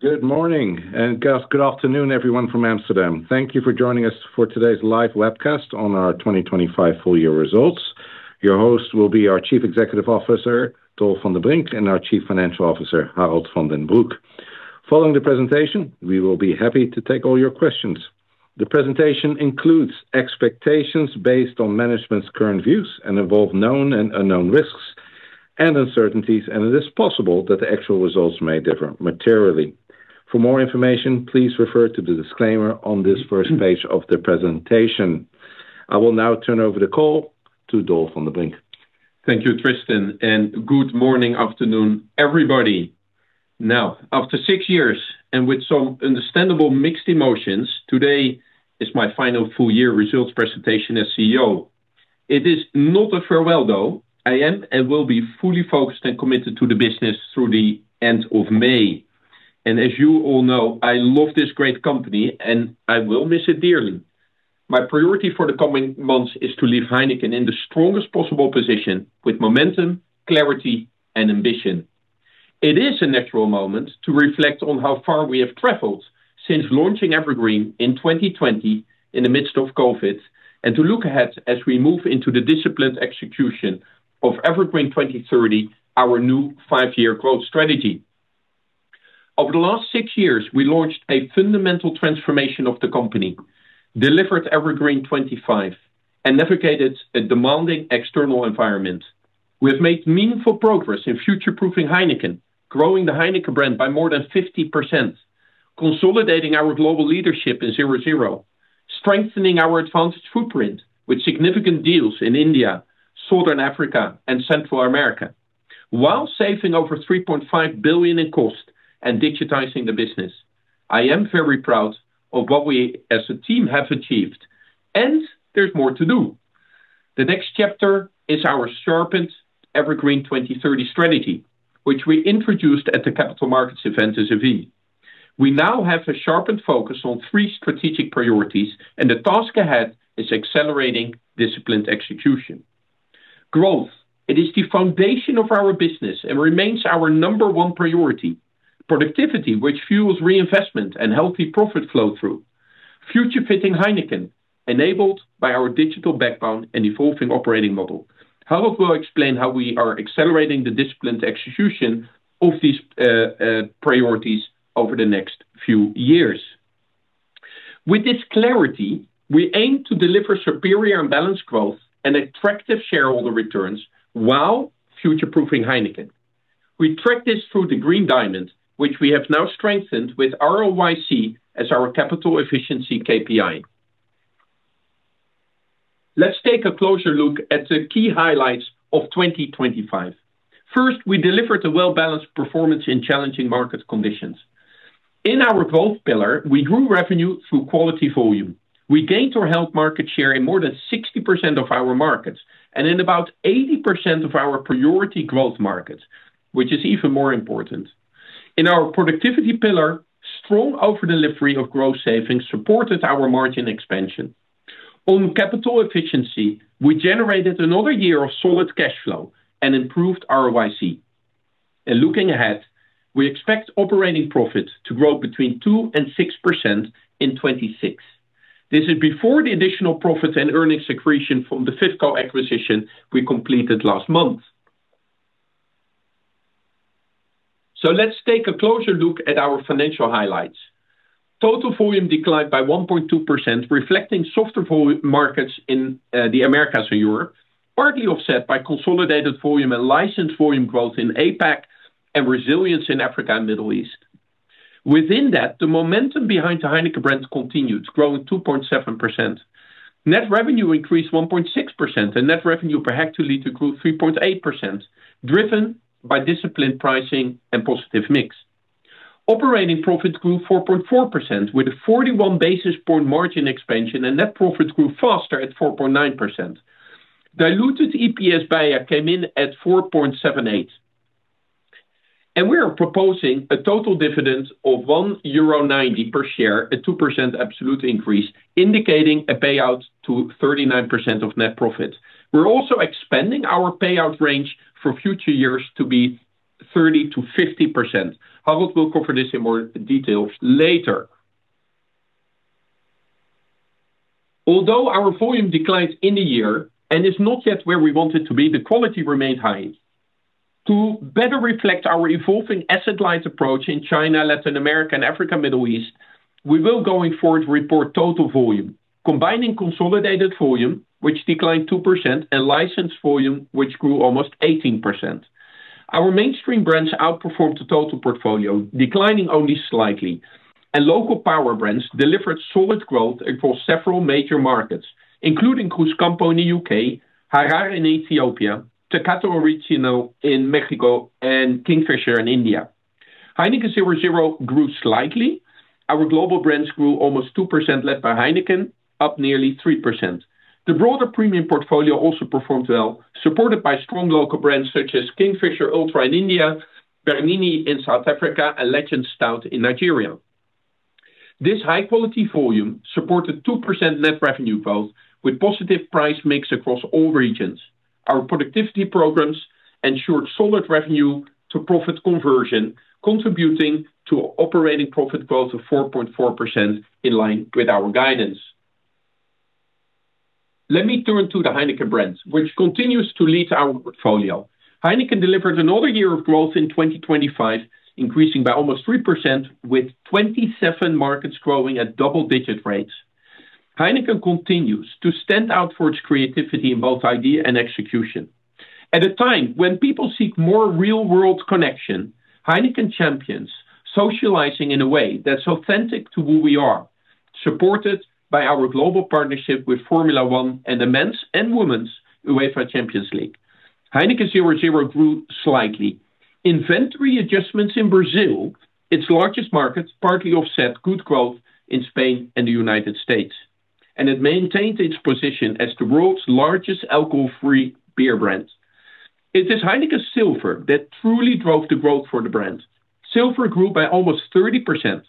Good morning and good afternoon, everyone from Amsterdam. Thank you for joining us for today's live webcast on our 2025 full-year results. Your hosts will be our Chief Executive Officer, Dolf van den Brink, and our Chief Financial Officer, Harold van den Broek. Following the presentation, we will be happy to take all your questions. The presentation includes expectations based on management's current views and involves known and unknown risks and uncertainties, and it is possible that the actual results may differ materially. For more information, please refer to the disclaimer on this first page of the presentation. I will now turn over the call to Dolf van den Brink. Thank you, Tristan, and good morning, afternoon, everybody. Now, after six years and with some understandable mixed emotions, today is my final full-year results presentation as CEO. It is not a farewell, though. I am and will be fully focused and committed to the business through the end of May. And as you all know, I love this great company, and I will miss it dearly. My priority for the coming months is to leave Heineken in the strongest possible position with momentum, clarity, and ambition. It is a natural moment to reflect on how far we have traveled since launching Evergreen in 2020 in the midst of COVID, and to look ahead as we move into the disciplined execution of Evergreen 2030, our new five-year growth strategy. Over the last six years, we launched a fundamental transformation of the company, delivered Evergreen 25, and navigated a demanding external environment. We have made meaningful progress in future-proofing Heineken, growing the Heineken brand by more than 50%, consolidating our global leadership in 0.0, strengthening our advantage footprint with significant deals in India, Southern Africa, and Central America, while saving over 3.5 billion in cost and digitizing the business. I am very proud of what we as a team have achieved, and there's more to do. The next chapter is our sharpened Evergreen 2030 strategy, which we introduced at the Capital Markets Event in Seville. We now have a sharpened focus on three strategic priorities, and the task ahead is accelerating disciplined execution. Growth: it is the foundation of our business and remains our number one priority. Productivity, which fuels reinvestment and healthy profit flow-through. Future-fitting Heineken, enabled by our digital backbone and evolving operating model. Harold will explain how we are accelerating the disciplined execution of these priorities over the next few years. With this clarity, we aim to deliver superior and balanced growth and attractive shareholder returns while future-proofing Heineken. We track this through the Green Diamond, which we have now strengthened with ROIC as our capital efficiency KPI. Let's take a closer look at the key highlights of 2025. First, we delivered a well-balanced performance in challenging market conditions. In our growth pillar, we drew revenue through quality volume. We gained or held market share in more than 60% of our markets and in about 80% of our priority growth markets, which is even more important. In our productivity pillar, strong overdelivery of growth savings supported our margin expansion. On capital efficiency, we generated another year of solid cash flow and improved ROIC. Looking ahead, we expect operating profit to grow between 2% and 6% in 2026. This is before the additional profit and earnings accretion from the FIFCO acquisition we completed last month. So let's take a closer look at our financial highlights. Total volume declined by 1.2%, reflecting softer markets in the Americas and Europe, partly offset by consolidated volume and licensed volume growth in APAC and resilience in Africa and the Middle East. Within that, the momentum behind the Heineken brand continued, growing 2.7%. Net revenue increased 1.6%, and net revenue per hectoliter grew 3.8%, driven by disciplined pricing and positive mix. Operating profit grew 4.4% with a 41 basis point margin expansion, and net profit grew faster at 4.9%. Diluted EPS BEIA came in at 4.78. We are proposing a total dividend of €1.90 per share, a 2% absolute increase, indicating a payout to 39% of net profit. We're also expanding our payout range for future years to be 30%-50%. Harold will cover this in more detail later. Although our volume declined in the year and is not yet where we wanted to be, the quality remained high. To better reflect our evolving asset-light approach in China, Latin America, and Africa and the Middle East, we will, going forward, report total volume, combining consolidated volume, which declined 2%, and licensed volume, which grew almost 18%. Our mainstream brands outperformed the total portfolio, declining only slightly, and local power brands delivered solid growth across several major markets, including Cruzcampo UK, Harar in Ethiopia, Tecate Original in Mexico, and Kingfisher in India. Heineken 0.0 grew slightly. Our global brands grew almost 2%, led by Heineken, up nearly 3%. The broader premium portfolio also performed well, supported by strong local brands such as Kingfisher Ultra in India, Bernini in South Africa, and Legend Extra Stout in Nigeria. This high-quality volume supported 2% net revenue growth with positive price mix across all regions. Our productivity programs ensured solid revenue-to-profit conversion, contributing to operating profit growth of 4.4% in line with our guidance. Let me turn to the Heineken brand, which continues to lead our portfolio. Heineken delivered another year of growth in 2025, increasing by almost 3%, with 27 markets growing at double-digit rates. Heineken continues to stand out for its creativity in both idea and execution. At a time when people seek more real-world connection, Heineken champions socializing in a way that's authentic to who we are, supported by our global partnership with Formula One and the Men's and Women's UEFA Champions League. Heineken 0.0 grew slightly. Inventory adjustments in Brazil, its largest market, partly offset good growth in Spain and the United States, and it maintained its position as the world's largest alcohol-free beer brand. It is Heineken Silver that truly drove the growth for the brand. Silver grew by almost 30%,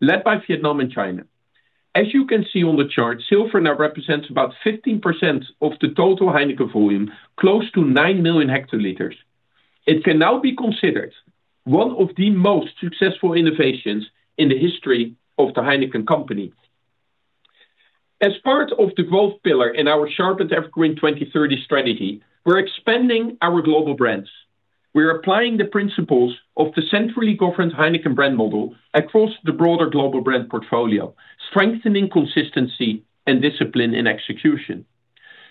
led by Vietnam and China. As you can see on the chart, Silver now represents about 15% of the total Heineken volume, close to 9 million hectoliters. It can now be considered one of the most successful innovations in the history of the Heineken company. As part of the growth pillar in our sharpened Evergreen 2030 strategy, we're expanding our global brands. We're applying the principles of the centrally governed Heineken brand model across the broader global brand portfolio, strengthening consistency and discipline in execution.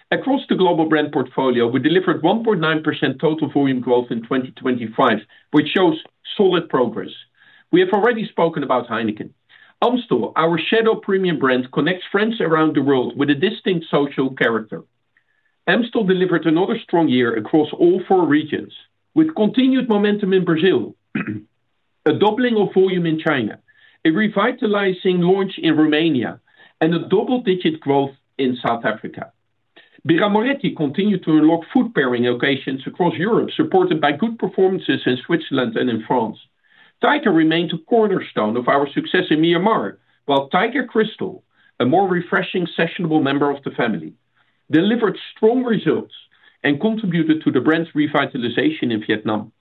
Across the global brand portfolio, we delivered 1.9% total volume growth in 2025, which shows solid progress. We have already spoken about Heineken. Amstel, our shadow premium brand, connects friends around the world with a distinct social character. Amstel delivered another strong year across all four regions, with continued momentum in Brazil, a doubling of volume in China, a revitalizing launch in Romania, and a double-digit growth in South Africa. Birra Moretti continued to unlock food pairing locations across Europe, supported by good performances in Switzerland and in France. Tiger remained a cornerstone of our success in Myanmar, while Tiger Crystal, a more refreshing, sessionable member of the family, delivered strong results and contributed to the brand's revitalization in Vietnam.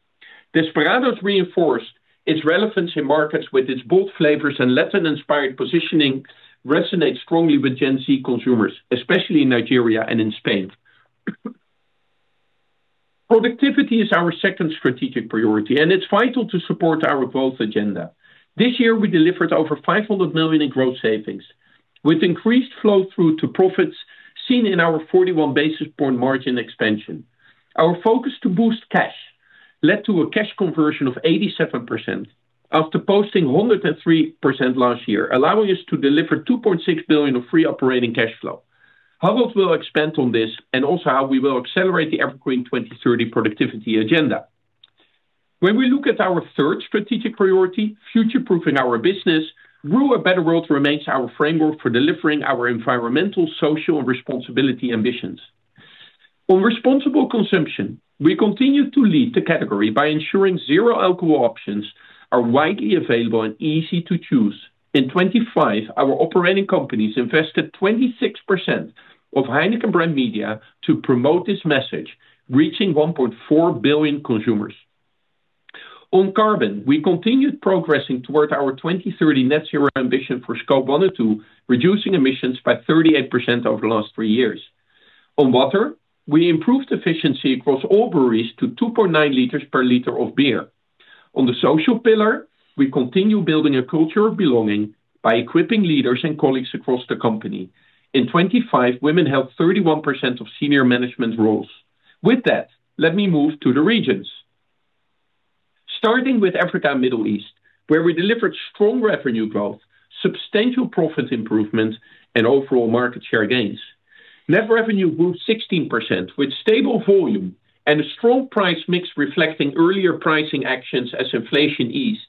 Desperados reinforced its relevance in markets with its bold flavors and Latin-inspired positioning, resonating strongly with Gen Z consumers, especially in Nigeria and in Spain. Productivity is our second strategic priority, and it's vital to support our growth agenda. This year, we delivered over 500 million in growth savings, with increased flow-through to profits seen in our 41 basis point margin expansion. Our focus to boost cash led to a cash conversion of 87% after posting 103% last year, allowing us to deliver 2.6 billion of free operating cash flow. Harold will expand on this and also how we will accelerate the Evergreen 2030 productivity agenda. When we look at our third strategic priority, future-proofing our business, Brew a Better World remains our framework for delivering our environmental, social, and responsibility ambitions. On responsible consumption, we continue to lead the category by ensuring zero alcohol options are widely available and easy to choose. In 2025, our operating companies invested 26% of Heineken brand media to promote this message, reaching 1.4 billion consumers. On carbon, we continued progressing toward our 2030 Net Zero ambition for Scope 1 and 2, reducing emissions by 38% over the last three years. On water, we improved efficiency across all breweries to 2.9 liters per liter of beer. On the social pillar, we continue building a culture of belonging by equipping leaders and colleagues across the company. In 2025, women held 31% of senior management roles. With that, let me move to the regions. Starting with Africa and the Middle East, where we delivered strong revenue growth, substantial profit improvements, and overall market share gains. Net revenue grew 16% with stable volume and a strong price mix, reflecting earlier pricing actions as inflation eased.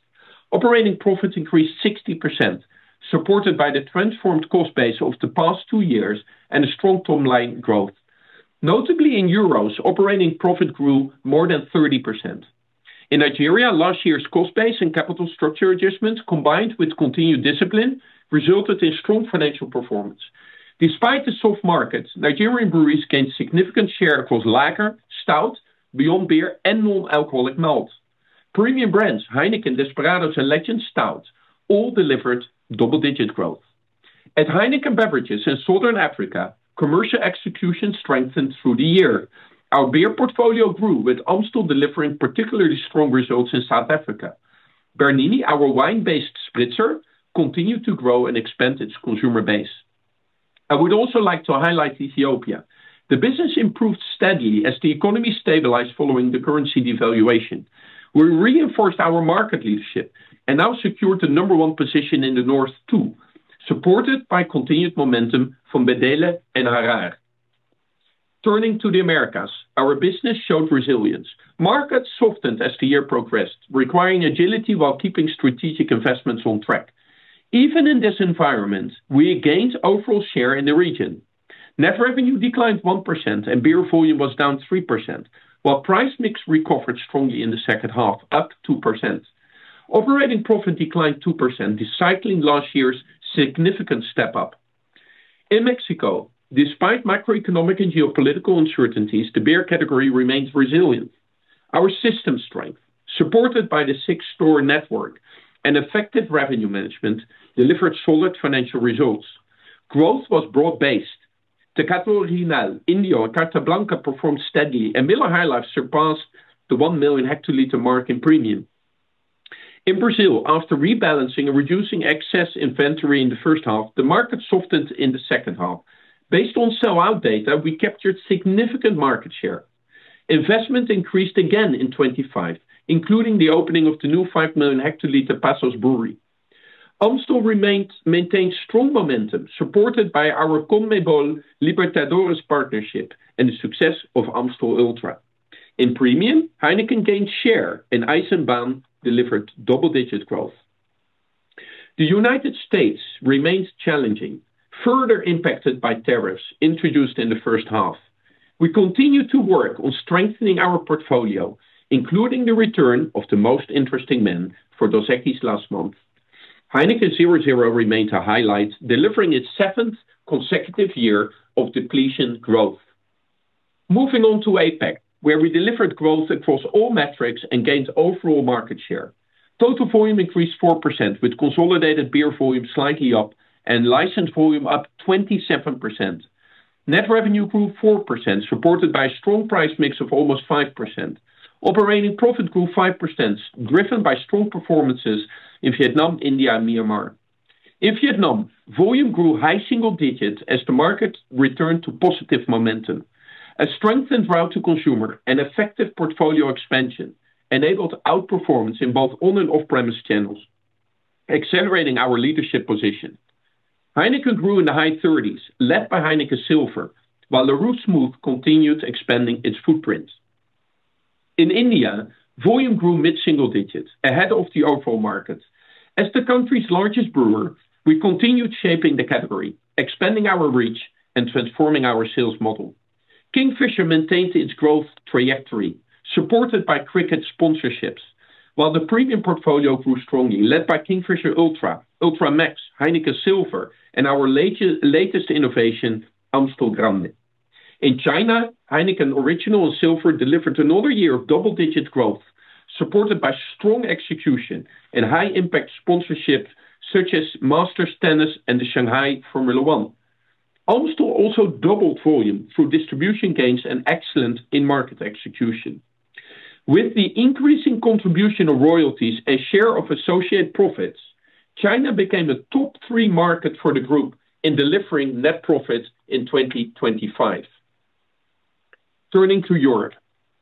Operating profit increased 60%, supported by the transformed cost base of the past two years and a strong top-line growth. Notably, in euros, operating profit grew more than 30%. In Nigeria, last year's cost base and capital structure adjustments, combined with continued discipline, resulted in strong financial performance. Despite the soft markets, Nigerian Breweries gained significant share across lager, stout, beyond beer, and non-alcoholic malt. Premium brands Heineken, Desperados, and Legend Stout all delivered double-digit growth. At Heineken Beverages in Southern Africa, commercial execution strengthened through the year. Our beer portfolio grew, with Amstel delivering particularly strong results in South Africa. Bernini, our wine-based spritzer, continued to grow and expand its consumer base. I would also like to highlight Ethiopia. The business improved steadily as the economy stabilized following the currency devaluation. We reinforced our market leadership and now secured the number one position in the North too, supported by continued momentum from Bedele and Harar. Turning to the Americas, our business showed resilience. Markets softened as the year progressed, requiring agility while keeping strategic investments on track. Even in this environment, we gained overall share in the region. Net revenue declined 1%, and beer volume was down 3%, while price mix recovered strongly in the second half, up 2%. Operating profit declined 2%, recycling last year's significant step up. In Mexico, despite macroeconomic and geopolitical uncertainties, the beer category remained resilient. Our system strength, supported by the six-store network and effective revenue management, delivered solid financial results. Growth was broad-based. Tecate Original, Indio, and Carta Blanca performed steadily, and Miller High Life surpassed the 1 million hectoliter mark in premium. In Brazil, after rebalancing and reducing excess inventory in the first half, the market softened in the second half. Based on sellout data, we captured significant market share. Investment increased again in 2025, including the opening of the new 5 million hectoliter Passos Brewery. Amstel maintained strong momentum, supported by our Copa Libertadores partnership and the success of Amstel Ultra. In premium, Heineken gained share, and Eisenbahn delivered double-digit growth. The United States remains challenging, further impacted by tariffs introduced in the first half. We continue to work on strengthening our portfolio, including the return of the Most Interesting Man for Dos Equis last month. Heineken 0.0 remained a highlight, delivering its seventh consecutive year of depletion growth. Moving on to APAC, where we delivered growth across all metrics and gained overall market share. Total volume increased 4%, with consolidated beer volume slightly up and licensed volume up 27%. Net revenue grew 4%, supported by a strong price mix of almost 5%. Operating profit grew 5%, driven by strong performances in Vietnam, India, and Myanmar. In Vietnam, volume grew high single digits as the market returned to positive momentum. A strengthened route to consumer and effective portfolio expansion enabled outperformance in both on- and off-premise channels, accelerating our leadership position. Heineken grew in the high 30s, led by Heineken Silver, while the Larue Smooth continued expanding its footprint. In India, volume grew mid-single digits, ahead of the overall market. As the country's largest brewer, we continued shaping the category, expanding our reach, and transforming our sales model. Kingfisher maintained its growth trajectory, supported by cricket sponsorships, while the premium portfolio grew strongly, led by Kingfisher Ultra, Ultra Max, Heineken Silver, and our latest innovation, Amstel brand. In China, Heineken Original and Silver delivered another year of double-digit growth, supported by strong execution and high-impact sponsorships such as Masters Tennis and the Shanghai Formula One. Amstel also doubled volume through distribution gains and excellence in market execution. With the increasing contribution of royalties and share of associate profits, China became a top three market for the group in delivering net profits in 2025. Turning to Europe,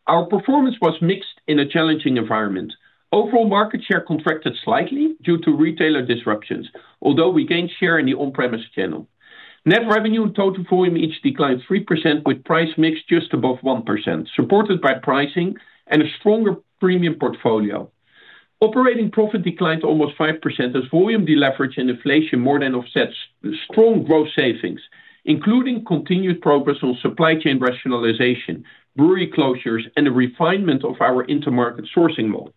our performance was mixed in a challenging environment. Overall market share contracted slightly due to retailer disruptions, although we gained share in the on-premise channel. Net revenue and total volume each declined 3%, with price mix just above 1%, supported by pricing and a stronger premium portfolio. Operating profit declined almost 5% as volume deleveraged and inflation more than offset strong growth savings, including continued progress on supply chain rationalization, brewery closures, and the refinement of our intermarket sourcing model.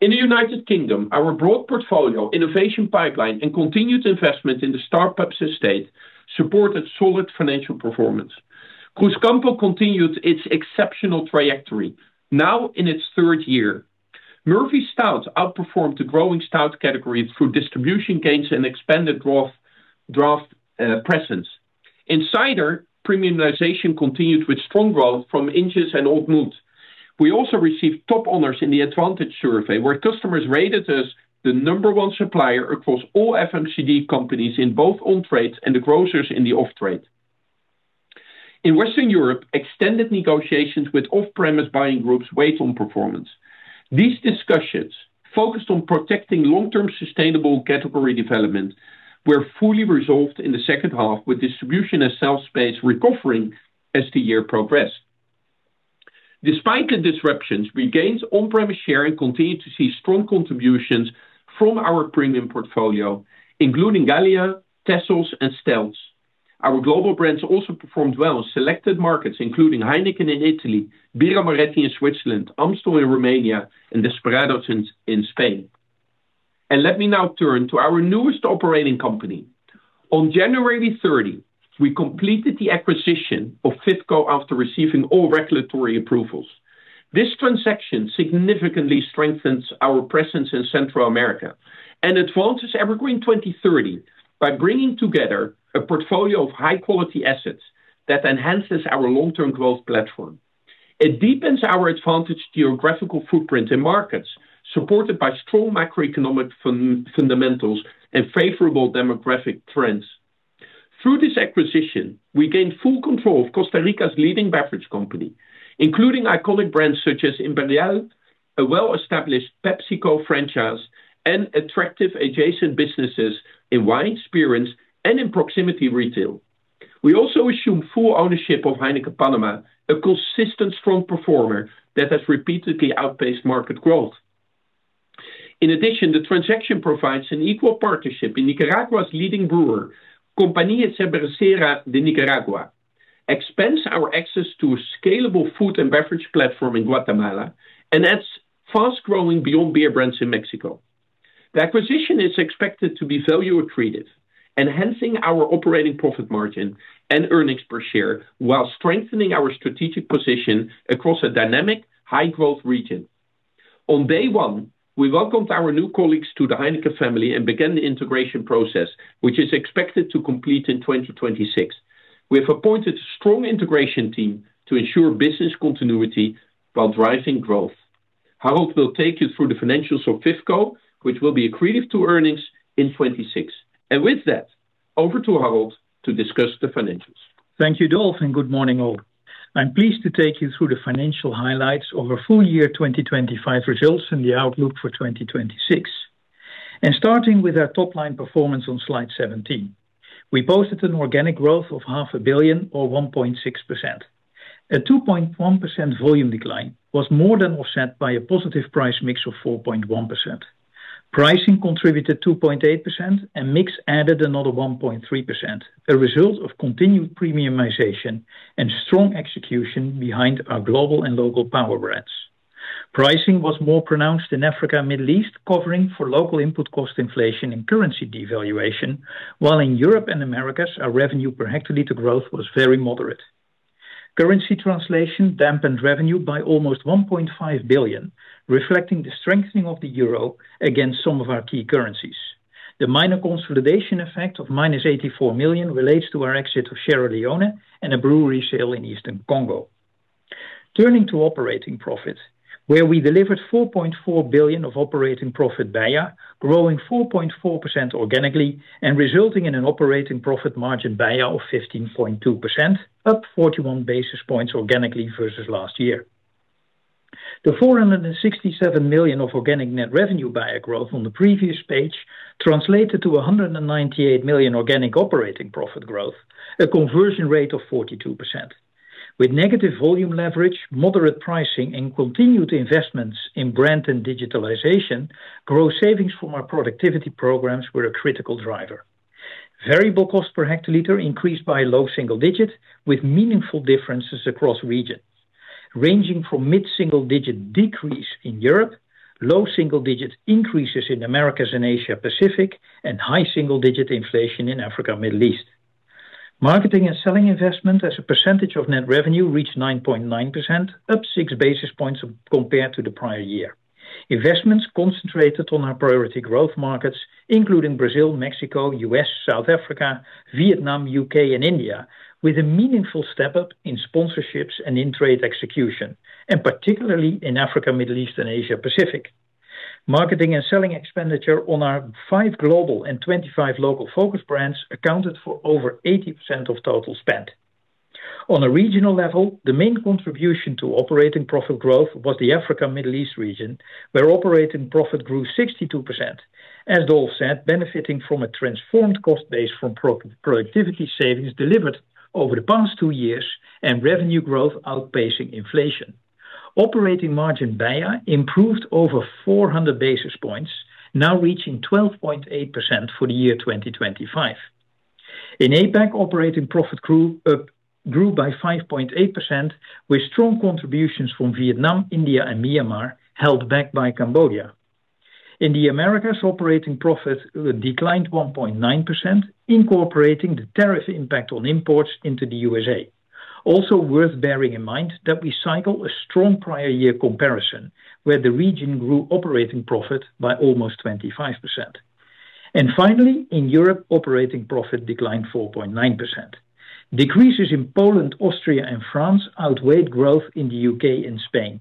In the United Kingdom, our broad portfolio, innovation pipeline, and continued investment in the Starbucks estate supported solid financial performance. Cruzcampo continued its exceptional trajectory, now in its third year. Murphy's Stout outperformed the growing Stout category through distribution gains and expanded draft presence. Cider premiumization continued with strong growth from Inch's and Old Mout. We also received top honors in the Advantage Survey, where customers rated us the number one supplier across all FMCG companies in both on-trade and the grocers in the off-trade. In Western Europe, extended negotiations with off-premise buying groups weighed on performance. These discussions, focused on protecting long-term sustainable category development, were fully resolved in the second half, with distribution and sales space recovering as the year progressed. Despite the disruptions, we gained on-premise share and continued to see strong contributions from our premium portfolio, including Gallia, Texels, and Stëlz. Our global brands also performed well in selected markets, including Heineken in Italy, Birra Moretti in Switzerland, Amstel in Romania, and Desperados in Spain. And let me now turn to our newest operating company. On January 30, we completed the acquisition of FIFCO after receiving all regulatory approvals. This transaction significantly strengthens our presence in Central America and advances Evergreen 2030 by bringing together a portfolio of high-quality assets that enhances our long-term growth platform. It deepens our advantaged geographical footprint in markets, supported by strong macroeconomic fundamentals and favorable demographic trends. Through this acquisition, we gained full control of Costa Rica's leading beverage company, including iconic brands such as Imperial, a well-established PepsiCo franchise, and attractive adjacent businesses in wine experience and in proximity retail. We also assume full ownership of Heineken Panama, a consistent strong performer that has repeatedly outpaced market growth. In addition, the transaction provides an equal partnership in Nicaragua's leading brewer, Compañía Cervecera de Nicaragua, expands our access to a scalable food and beverage platform in Guatemala, and adds fast-growing beyond beer brands in Mexico. The acquisition is expected to be value-attractive, enhancing our operating profit margin and earnings per share while strengthening our strategic position across a dynamic, high-growth region. On day one, we welcomed our new colleagues to the Heineken family and began the integration process, which is expected to complete in 2026. We have appointed a strong integration team to ensure business continuity while driving growth. Harold will take you through the financials of FIFCO, which will be accretive to earnings in 2026. With that, over to Harold to discuss the financials. Thank you, Dolf, and good morning all. I'm pleased to take you through the financial highlights of our full year 2025 results and the outlook for 2026. Starting with our top-line performance on slide 17, we posted an organic growth of 500 million, or 1.6%. A 2.1% volume decline was more than offset by a positive price mix of 4.1%. Pricing contributed 2.8%, and mix added another 1.3%, a result of continued premiumization and strong execution behind our global and local power brands. Pricing was more pronounced in Africa and the Middle East, covering for local input cost inflation and currency devaluation, while in Europe and America, our revenue per hectoliter growth was very moderate. Currency translation dampened revenue by almost 1.5 billion, reflecting the strengthening of the euro against some of our key currencies. The minor consolidation effect of -84 million relates to our exit of Sierra Leone and a brewery sale in Eastern Congo. Turning to operating profit, where we delivered 4.4 billion of operating profit BEIA, growing 4.4% organically and resulting in an operating profit margin BEIA of 15.2%, up 41 basis points organically versus last year. The 467 million of organic net revenue BEIA growth on the previous page translated to 198 million organic operating profit growth, a conversion rate of 42%. With negative volume leverage, moderate pricing, and continued investments in brand and digitalization, growth savings from our productivity programs were a critical driver. Variable cost per hectoliter increased by a low single-digit, with meaningful differences across regions, ranging from mid-single-digit decrease in Europe, low single-digit increases in Americas and Asia Pacific, and high single-digit inflation in Africa and the Middle East. Marketing and selling investment as a percentage of net revenue reached 9.9%, up six basis points compared to the prior year. Investments concentrated on our priority growth markets, including Brazil, Mexico, the US, South Africa, Vietnam, the UK, and India, with a meaningful step up in sponsorships and in-trade execution, and particularly in Africa, the Middle East, and Asia Pacific. Marketing and selling expenditure on our five global and 25 local focus brands accounted for over 80% of total spent. On a regional level, the main contribution to operating profit growth was the Africa-Middle East region, where operating profit grew 62%, as Dolf said, benefiting from a transformed cost base from productivity savings delivered over the past two years and revenue growth outpacing inflation. Operating margin BEIA improved over 400 basis points, now reaching 12.8% for the year 2025. In APAC, operating profit grew by 5.8%, with strong contributions from Vietnam, India, and Myanmar, held back by Cambodia. In the Americas, operating profit declined 1.9%, incorporating the tariff impact on imports into the USA, also worth bearing in mind that we cycle a strong prior-year comparison, where the region grew operating profit by almost 25%. Finally, in Europe, operating profit declined 4.9%. Decreases in Poland, Austria, and France outweighed growth in the U.K. and Spain.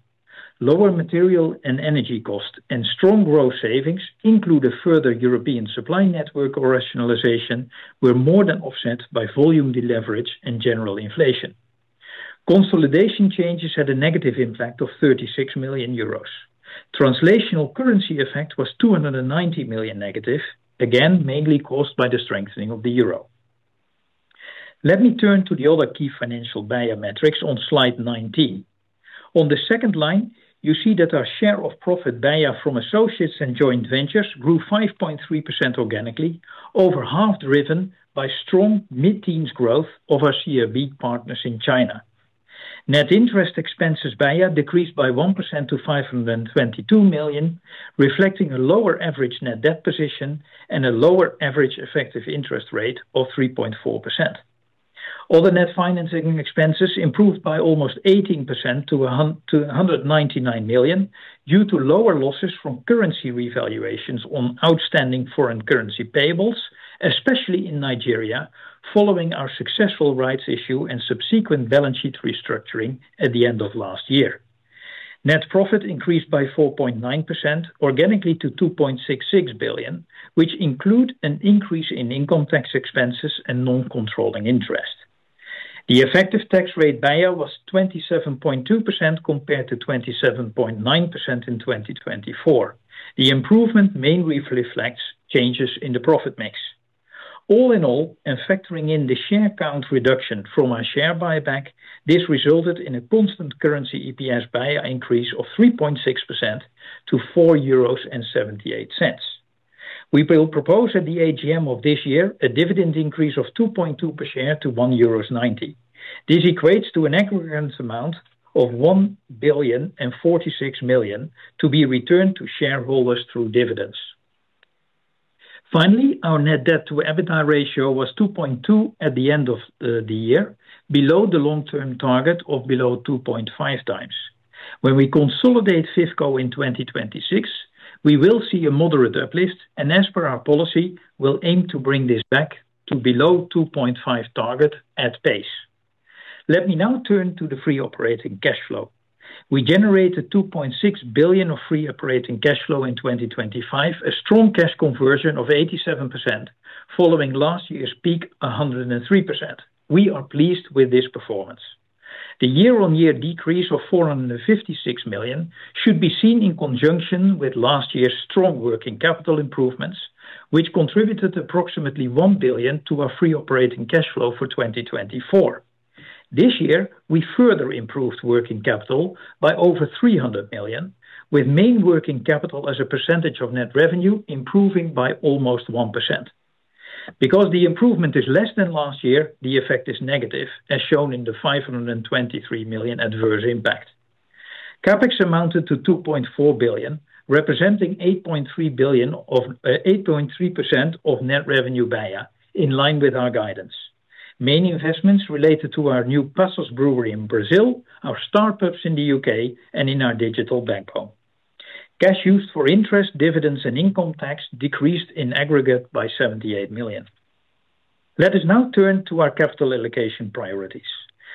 Lower material and energy costs and strong growth savings, including further European supply network or rationalization, were more than offset by volume deleverage and general inflation. Consolidation changes had a negative impact of 36 million euros. Translational currency effect was 290 million negative, again mainly caused by the strengthening of the euro. Let me turn to the other key financial beia metrics on slide 19. On the second line, you see that our share of profit beia from associates and joint ventures grew 5.3% organically, over half driven by strong mid-teens growth of our CRB partners in China. Net interest expenses beia decreased by 1% to 522 million, reflecting a lower average net debt position and a lower average effective interest rate of 3.4%. Other net financing expenses improved by almost 18% to 199 million due to lower losses from currency revaluations on outstanding foreign currency payables, especially in Nigeria, following our successful rights issue and subsequent balance sheet restructuring at the end of last year. Net profit increased by 4.9% organically to 2.66 billion, which includes an increase in income tax expenses and non-controlling interest. The effective tax rate BEIA was 27.2% compared to 27.9% in 2024. The improvement mainly reflects changes in the profit mix. All in all, and factoring in the share count reduction from our share buyback, this resulted in a constant currency EPS BEIA increase of 3.6% to 4.78 euros. We will propose at the AGM of this year a dividend increase of 2.2% per share to 1.90 euros. This equates to an equivalent amount of 1.46 billion to be returned to shareholders through dividends. Finally, our net debt-to-EBITDA ratio was 2.2% at the end of the year, below the long-term target of below 2.5 times. When we consolidate FIFCO in 2026, we will see a moderate uplift, and as per our policy, we'll aim to bring this back to below the 2.5 target at PACE. Let me now turn to the free operating cash flow. We generated 2.6 billion of free operating cash flow in 2025, a strong cash conversion of 87%, following last year's peak of 103%. We are pleased with this performance. The year-on-year decrease of 456 million should be seen in conjunction with last year's strong working capital improvements, which contributed approximately 1 billion to our free operating cash flow for 2024. This year, we further improved working capital by over 300 million, with main working capital as a percentage of net revenue improving by almost 1%. Because the improvement is less than last year, the effect is negative, as shown in the 523 million adverse impact. CapEx amounted to 2.4 billion, representing 8.3% of net revenue beia in line with our guidance, main investments related to our new Passos Brewery in Brazil, our Starbucks in the UK, and in our digital backbone. Cash used for interest, dividends, and income tax decreased in aggregate by 78 million. Let us now turn to our capital allocation priorities.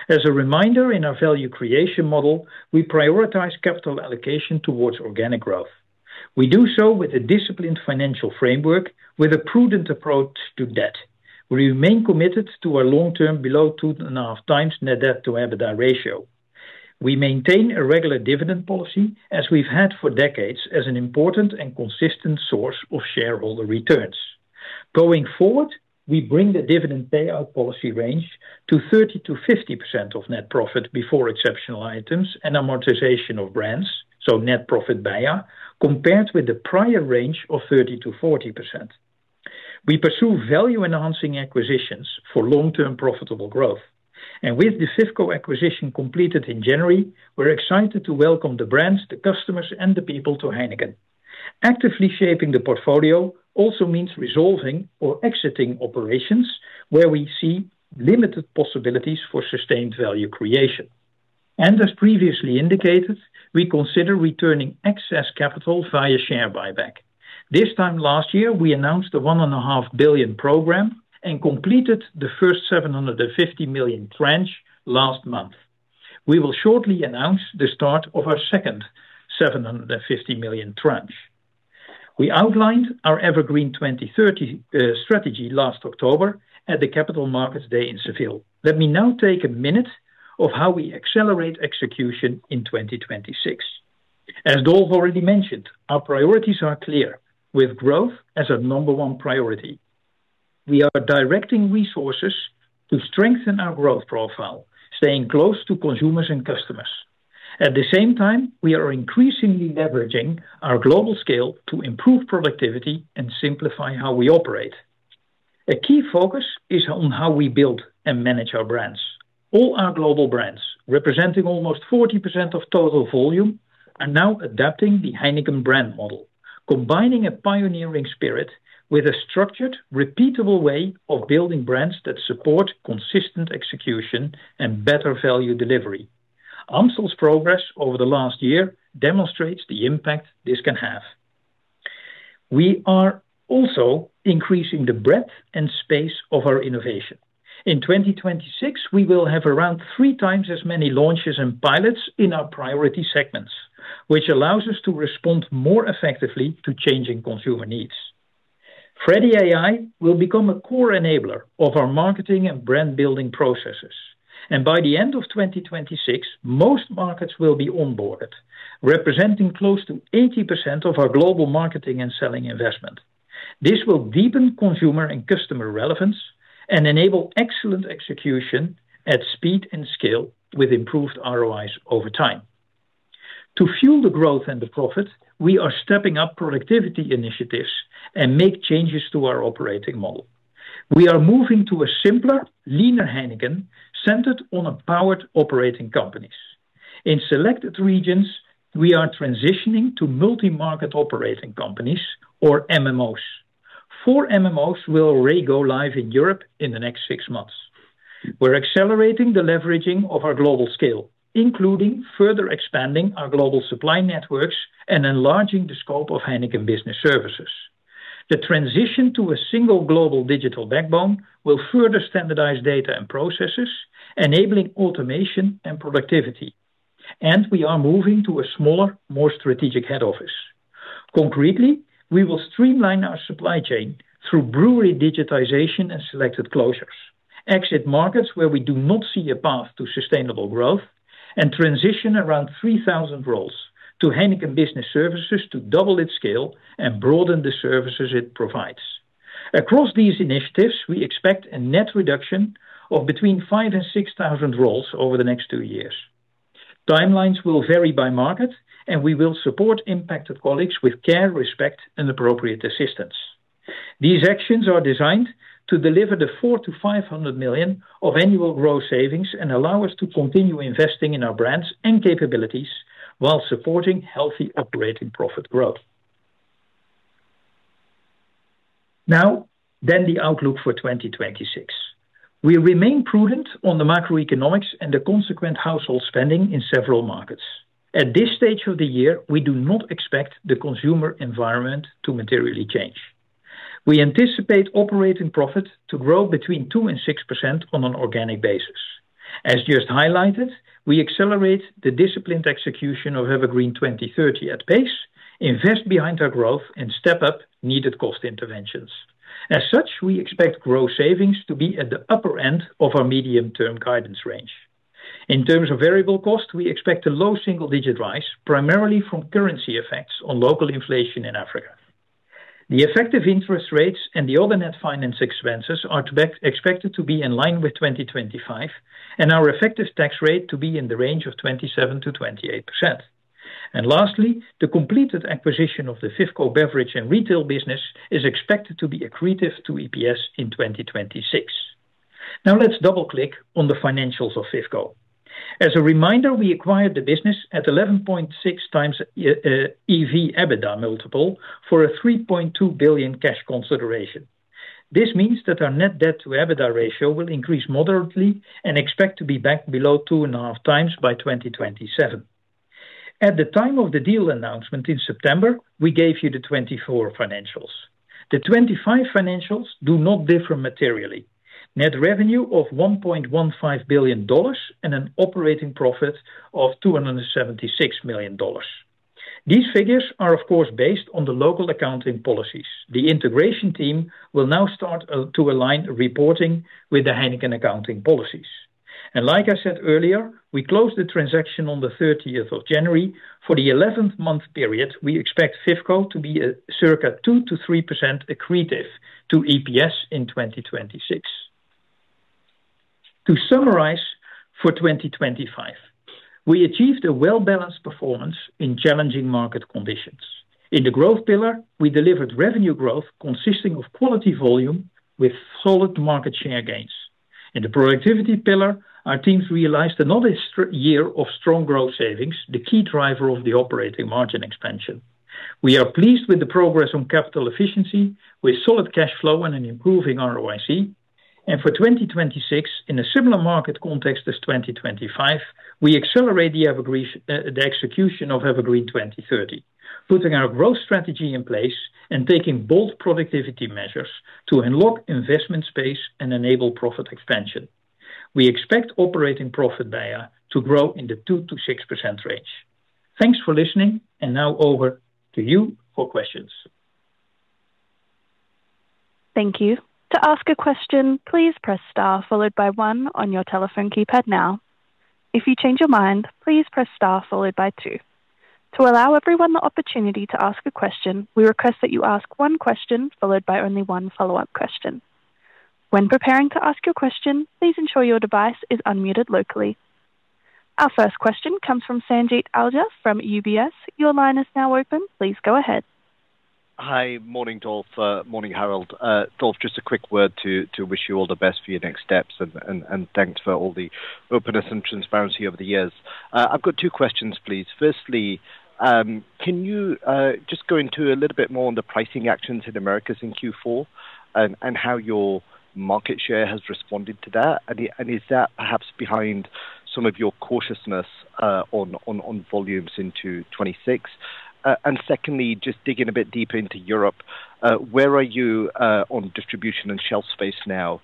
As a reminder, in our value creation model, we prioritize capital allocation towards organic growth. We do so with a disciplined financial framework, with a prudent approach to debt. We remain committed to our long-term below 2.5x net debt-to-EBITDA ratio. We maintain a regular dividend policy, as we've had for decades, as an important and consistent source of shareholder returns. Going forward, we bring the dividend payout policy range to 30%-50% of net profit before exceptional items and amortization of brands, so net profit BEIA, compared with the prior range of 30%-40%. We pursue value-enhancing acquisitions for long-term profitable growth. And with the FIFCO acquisition completed in January, we're excited to welcome the brands, the customers, and the people to Heineken. Actively shaping the portfolio also means resolving or exiting operations where we see limited possibilities for sustained value creation. And as previously indicated, we consider returning excess capital via share buyback. This time last year, we announced the 1.5 billion program and completed the first 750 million tranche last month. We will shortly announce the start of our second 750 million tranche. We outlined our Evergreen 2030 strategy last October at the Capital Markets Day in Seville. Let me now take a minute of how we accelerate execution in 2026. As Dolf already mentioned, our priorities are clear, with growth as our number 1 priority. We are directing resources to strengthen our growth profile, staying close to consumers and customers. At the same time, we are increasingly leveraging our global scale to improve productivity and simplify how we operate. A key focus is on how we build and manage our brands. All our global brands, representing almost 40% of total volume, are now adapting the Heineken brand model, combining a pioneering spirit with a structured, repeatable way of building brands that support consistent execution and better value delivery. Amstel's progress over the last year demonstrates the impact this can have. We are also increasing the breadth and space of our innovation. In 2026, we will have around three times as many launches and pilots in our priority segments, which allows us to respond more effectively to changing consumer needs. Freddy AI will become a core enabler of our marketing and brand-building processes. By the end of 2026, most markets will be onboarded, representing close to 80% of our global marketing and selling investment. This will deepen consumer and customer relevance and enable excellent execution at speed and scale with improved ROIs over time. To fuel the growth and the profit, we are stepping up productivity initiatives and making changes to our operating model. We are moving to a simpler, leaner Heineken centered on powered operating companies. In selected regions, we are transitioning to multi-market operating companies, or MMOs. Four MMOs will re-go live in Europe in the next six months. We're accelerating the leveraging of our global scale, including further expanding our global supply networks and enlarging the scope of Heineken Business Services. The transition to a single global digital backbone will further standardize data and processes, enabling automation and productivity. We are moving to a smaller, more strategic head office. Concretely, we will streamline our supply chain through brewery digitization and selected closures, exit markets where we do not see a path to sustainable growth, and transition around 3,000 roles to Heineken Business Services to double its scale and broaden the services it provides. Across these initiatives, we expect a net reduction of between 5,000 and 6,000 roles over the next two years. Timelines will vary by market, and we will support impacted colleagues with care, respect, and appropriate assistance. These actions are designed to deliver 400 million-500 million of annual growth savings and allow us to continue investing in our brands and capabilities while supporting healthy operating profit growth. Now, then the outlook for 2026. We remain prudent on the macroeconomics and the consequent household spending in several markets. At this stage of the year, we do not expect the consumer environment to materially change. We anticipate operating profit to grow between 2%-6% on an organic basis. As just highlighted, we accelerate the disciplined execution of Evergreen 2030 at PACE, invest behind our growth, and step up needed cost interventions. As such, we expect growth savings to be at the upper end of our medium-term guidance range. In terms of variable cost, we expect a low single-digit rise, primarily from currency effects on local inflation in Africa. The effective interest rates and the other net finance expenses are expected to be in line with 2025, and our effective tax rate to be in the range of 27%-28%. Lastly, the completed acquisition of the FIFCO beverage and retail business is expected to be accretive to EPS in 2026. Now, let's double-click on the financials of FIFCO. As a reminder, we acquired the business at 11.6x EV/EBITDA multiple for a $3.2 billion cash consideration. This means that our net debt-to-EBITDA ratio will increase moderately and expect to be back below 2.5x by 2027. At the time of the deal announcement in September, we gave you the 2024 financials. The 2025 financials do not differ materially: net revenue of $1.15 billion and an operating profit of $276 million. These figures are, of course, based on the local accounting policies. The integration team will now start to align reporting with the Heineken accounting policies. Like I said earlier, we closed the transaction on the 30th of January. For the 11th month period, we expect FIFCO to be circa 2%-3% accretive to EPS in 2026. To summarize for 2025, we achieved a well-balanced performance in challenging market conditions. In the growth pillar, we delivered revenue growth consisting of quality volume with solid market share gains. In the productivity pillar, our teams realized another year of strong growth savings, the key driver of the operating margin expansion. We are pleased with the progress on capital efficiency, with solid cash flow and an improving ROIC. For 2026, in a similar market context as 2025, we accelerate the execution of Evergreen 2030, putting our growth strategy in place and taking bold productivity measures to unlock investment space and enable profit expansion. We expect operating profit BEIA to grow in the 2%-6% range. Thanks for listening, and now over to you for questions. Thank you. To ask a question, please press star followed by one on your telephone keypad now. If you change your mind, please press star followed by two. To allow everyone the opportunity to ask a question, we request that you ask one question followed by only one follow-up question. When preparing to ask your question, please ensure your device is unmuted locally. Our first question comes from Sanjeet Aujla from UBS. Your line is now open. Please go ahead. Hi, morning, Dolf. Morning, Harold. Dolf, just a quick word to wish you all the best for your next steps, and thanks for all the openness and transparency over the years. I've got two questions, please. Firstly, can you just go into a little bit more on the pricing actions in Americas Q4 and how your market share has responded to that? And is that perhaps behind some of your cautiousness on volumes into 2026? And secondly, just digging a bit deeper into Europe, where are you on distribution and shelf space now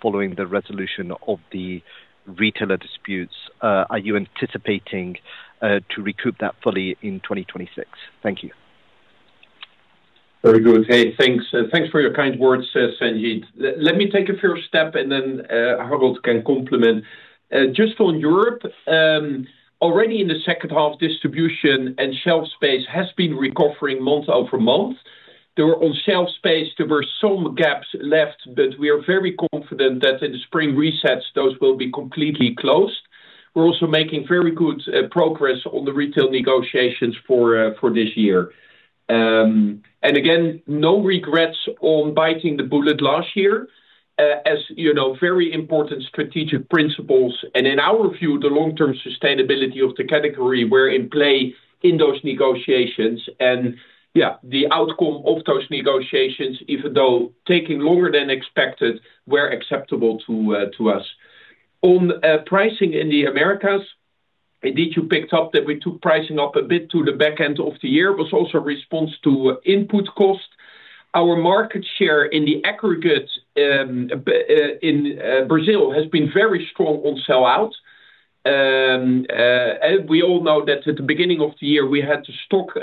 following the resolution of the retailer disputes? Are you anticipating to recoup that fully in 2026? Thank you. Very good. Hey, thanks. Thanks for your kind words, Sanjeet. Let me take a first step, and then Harold can complement. Just on Europe, already in the second half, distribution and shelf space have been recovering month-over-month. There were on shelf space, there were some gaps left, but we are very confident that in the spring resets, those will be completely closed. We're also making very good progress on the retail negotiations for this year. And again, no regrets on biting the bullet last year as very important strategic principles. And in our view, the long-term sustainability of the category were in play in those negotiations. And yeah, the outcome of those negotiations, even though taking longer than expected, were acceptable to us. On pricing in the Americas, indeed, you picked up that we took pricing up a bit to the back end of the year. It was also a response to input cost. Our market share in the aggregate in Brazil has been very strong on sell-out. We all know that at the beginning of the year, we had the stock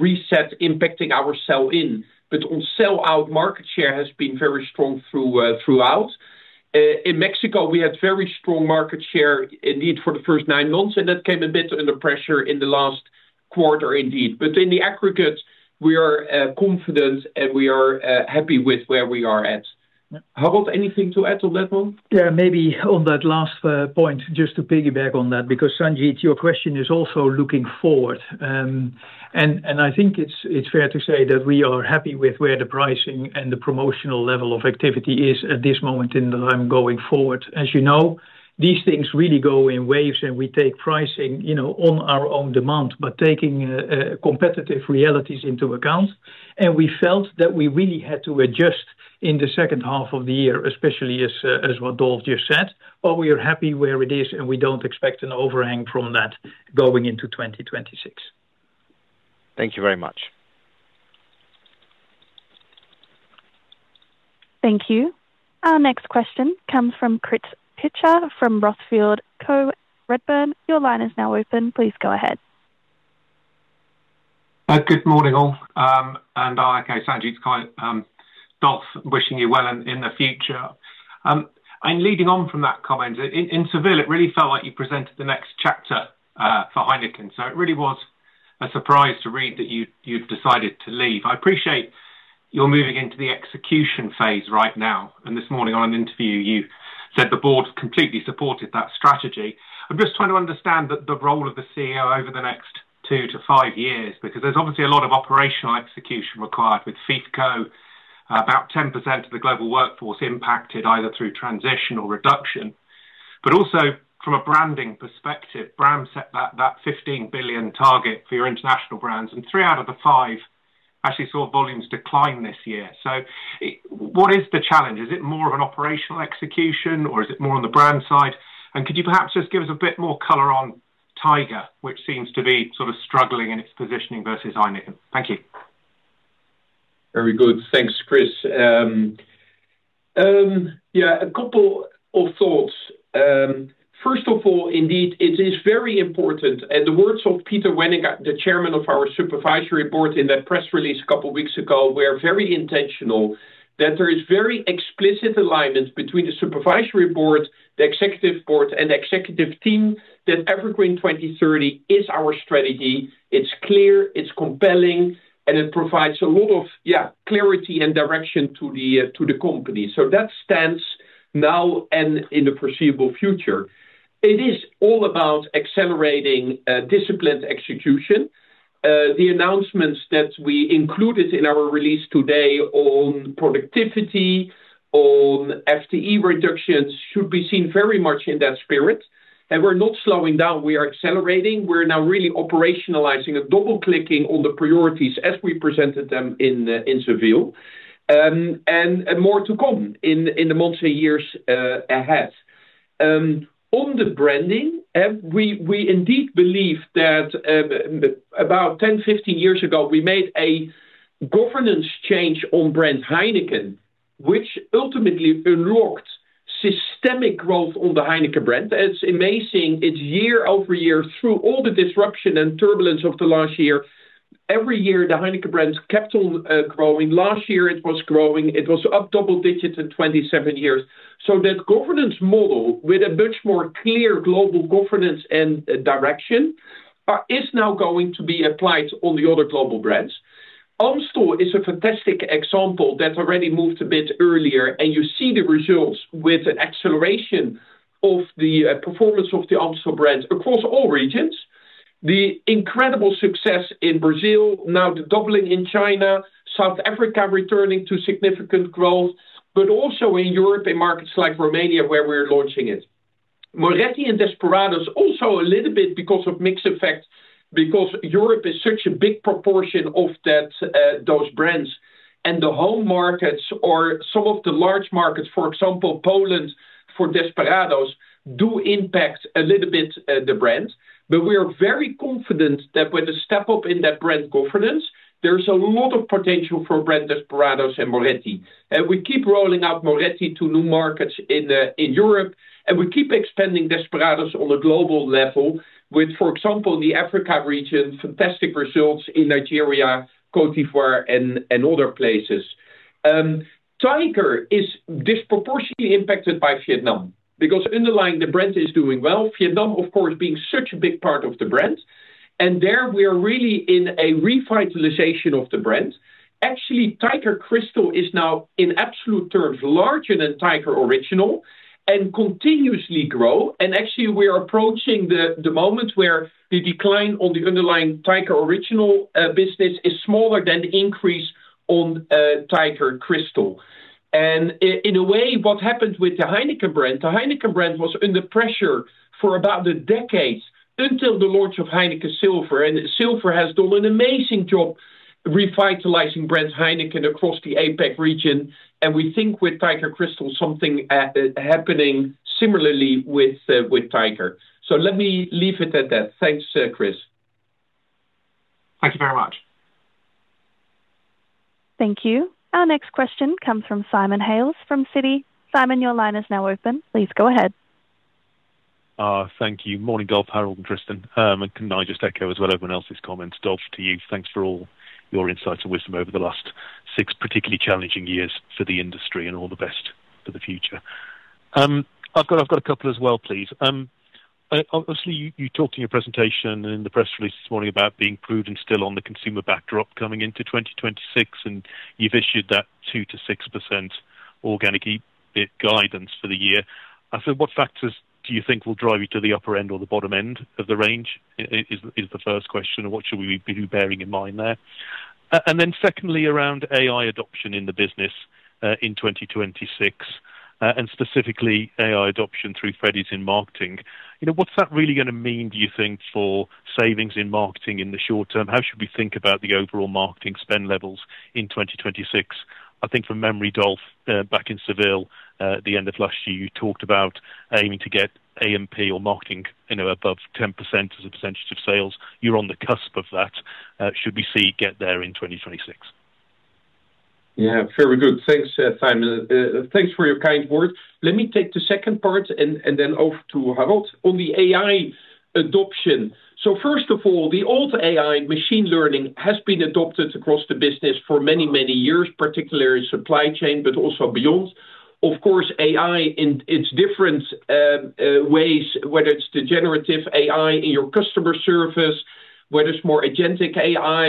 reset impacting our sell-in. But on sell-out, market share has been very strong throughout. In Mexico, we had very strong market share, indeed, for the first nine months, and that came a bit under pressure in the last quarter, indeed. But in the aggregate, we are confident and we are happy with where we are at. Harold, anything to add on that one? Yeah, maybe on that last point, just to piggyback on that, because Sanjeet, your question is also looking forward. I think it's fair to say that we are happy with where the pricing and the promotional level of activity is at this moment in time going forward. As you know, these things really go in waves, and we take pricing on our own demand, but taking competitive realities into account. We felt that we really had to adjust in the second half of the year, especially as what Dolf just said, but we are happy where it is, and we don't expect an overhang from that going into 2026. Thank you very much. Thank you. Our next question comes from Chris Pitcher from Redburn Atlantic. Your line is now open. Please go ahead. Good morning, all. Okay, Sanjeet, Dolf, wishing you well in the future. Leading on from that comment, in Seville, it really felt like you presented the next chapter for Heineken. It really was a surprise to read that you'd decided to leave. I appreciate you're moving into the execution phase right now. This morning on an interview, you said the board completely supported that strategy. I'm just trying to understand the role of the CEO over the next 2-5 years, because there's obviously a lot of operational execution required with FIFCO, about 10% of the global workforce impacted either through transition or reduction. Also from a branding perspective, Bram set that 15 billion target for your international brands, and 3 out of the 5 actually saw volumes decline this year. What is the challenge? Is it more of an operational execution, or is it more on the brand side? And could you perhaps just give us a bit more color on Tiger, which seems to be sort of struggling in its positioning versus Heineken? Thank you. Very good. Thanks, Chris. Yeah, a couple of thoughts. First of all, indeed, it is very important. And the words of Peter Wennink, the chairman of our supervisory board, in that press release a couple of weeks ago, were very intentional that there is very explicit alignment between the supervisory board, the executive board, and the executive team that Evergreen 2030 is our strategy. It's clear, it's compelling, and it provides a lot of clarity and direction to the company. So that stands now and in the foreseeable future. It is all about accelerating disciplined execution. The announcements that we included in our release today on productivity, on FTE reductions, should be seen very much in that spirit. And we're not slowing down. We are accelerating. We're now really operationalizing and double-clicking on the priorities as we presented them in Seville. More to come in the months and years ahead. On the branding, we indeed believe that about 10-15 years ago, we made a governance change on brand Heineken, which ultimately unlocked systemic growth on the Heineken brand. It's amazing. It's year-over-year through all the disruption and turbulence of the last year. Every year, the Heineken brand kept on growing. Last year, it was growing. It was up double-digit in 27 years. So that governance model with a much more clear global governance and direction is now going to be applied on the other global brands. Amstel is a fantastic example that already moved a bit earlier, and you see the results with an acceleration of the performance of the Amstel brand across all regions. The incredible success in Brazil, now the doubling in China, South Africa returning to significant growth, but also in Europe, in markets like Romania where we're launching it: Moretti and Desperados, also a little bit because of mixed effect, because Europe is such a big proportion of those brands, and the home markets or some of the large markets, for example, Poland for Desperados, do impact a little bit the brand. But we are very confident that with a step up in that brand governance, there's a lot of potential for brand Desperados and Moretti. And we keep rolling out Moretti to new markets in Europe, and we keep expanding Desperados on a global level with, for example, in the Africa region, fantastic results in Nigeria, Côte d'Ivoire, and other places. Tiger is disproportionately impacted by Vietnam because underlying the brand is doing well. Vietnam, of course, being such a big part of the brand. There we are really in a revitalization of the brand. Actually, Tiger Crystal is now in absolute terms larger than Tiger Original and continuously grow. And actually, we are approaching the moment where the decline on the underlying Tiger Original business is smaller than the increase on Tiger Crystal. And in a way, what happened with the Heineken brand, the Heineken brand was under pressure for about a decade until the launch of Heineken Silver. And Silver has done an amazing job revitalizing brand Heineken across the APAC region. And we think with Tiger Crystal something happening similarly with Tiger. So let me leave it at that. Thanks, Chris. Thank you very much. Thank you. Our next question comes from Simon Hales from Citi. Simon, your line is now open. Please go ahead. Thank you. Morning, Dolf, Harold, and Tristan. And can I just echo as well everyone else's comments? Dolf, to you. Thanks for all your insights and wisdom over the last six, particularly challenging years for the industry, and all the best for the future. I've got a couple as well, please. Obviously, you talked in your presentation and in the press release this morning about being prudent still on the consumer backdrop coming into 2026, and you've issued that 2%-6% organic EBIT guidance for the year. So what factors do you think will drive you to the upper end or the bottom end of the range is the first question, and what should we be bearing in mind there? Then secondly, around AI adoption in the business in 2026, and specifically AI adoption through Freddy's in marketing, what's that really going to mean, do you think, for savings in marketing in the short term? How should we think about the overall marketing spend levels in 2026? I think from memory, Dolf, back in Seville at the end of last year, you talked about aiming to get AMP or marketing above 10% as a percentage of sales. You're on the cusp of that. Should we see get there in 2026? Yeah, very good. Thanks, Simon. Thanks for your kind words. Let me take the second part and then over to Harold on the AI adoption. So first of all, the old AI machine learning has been adopted across the business for many, many years, particularly in supply chain, but also beyond. Of course, AI in its different ways, whether it's the generative AI in your customer service, whether it's more agentic AI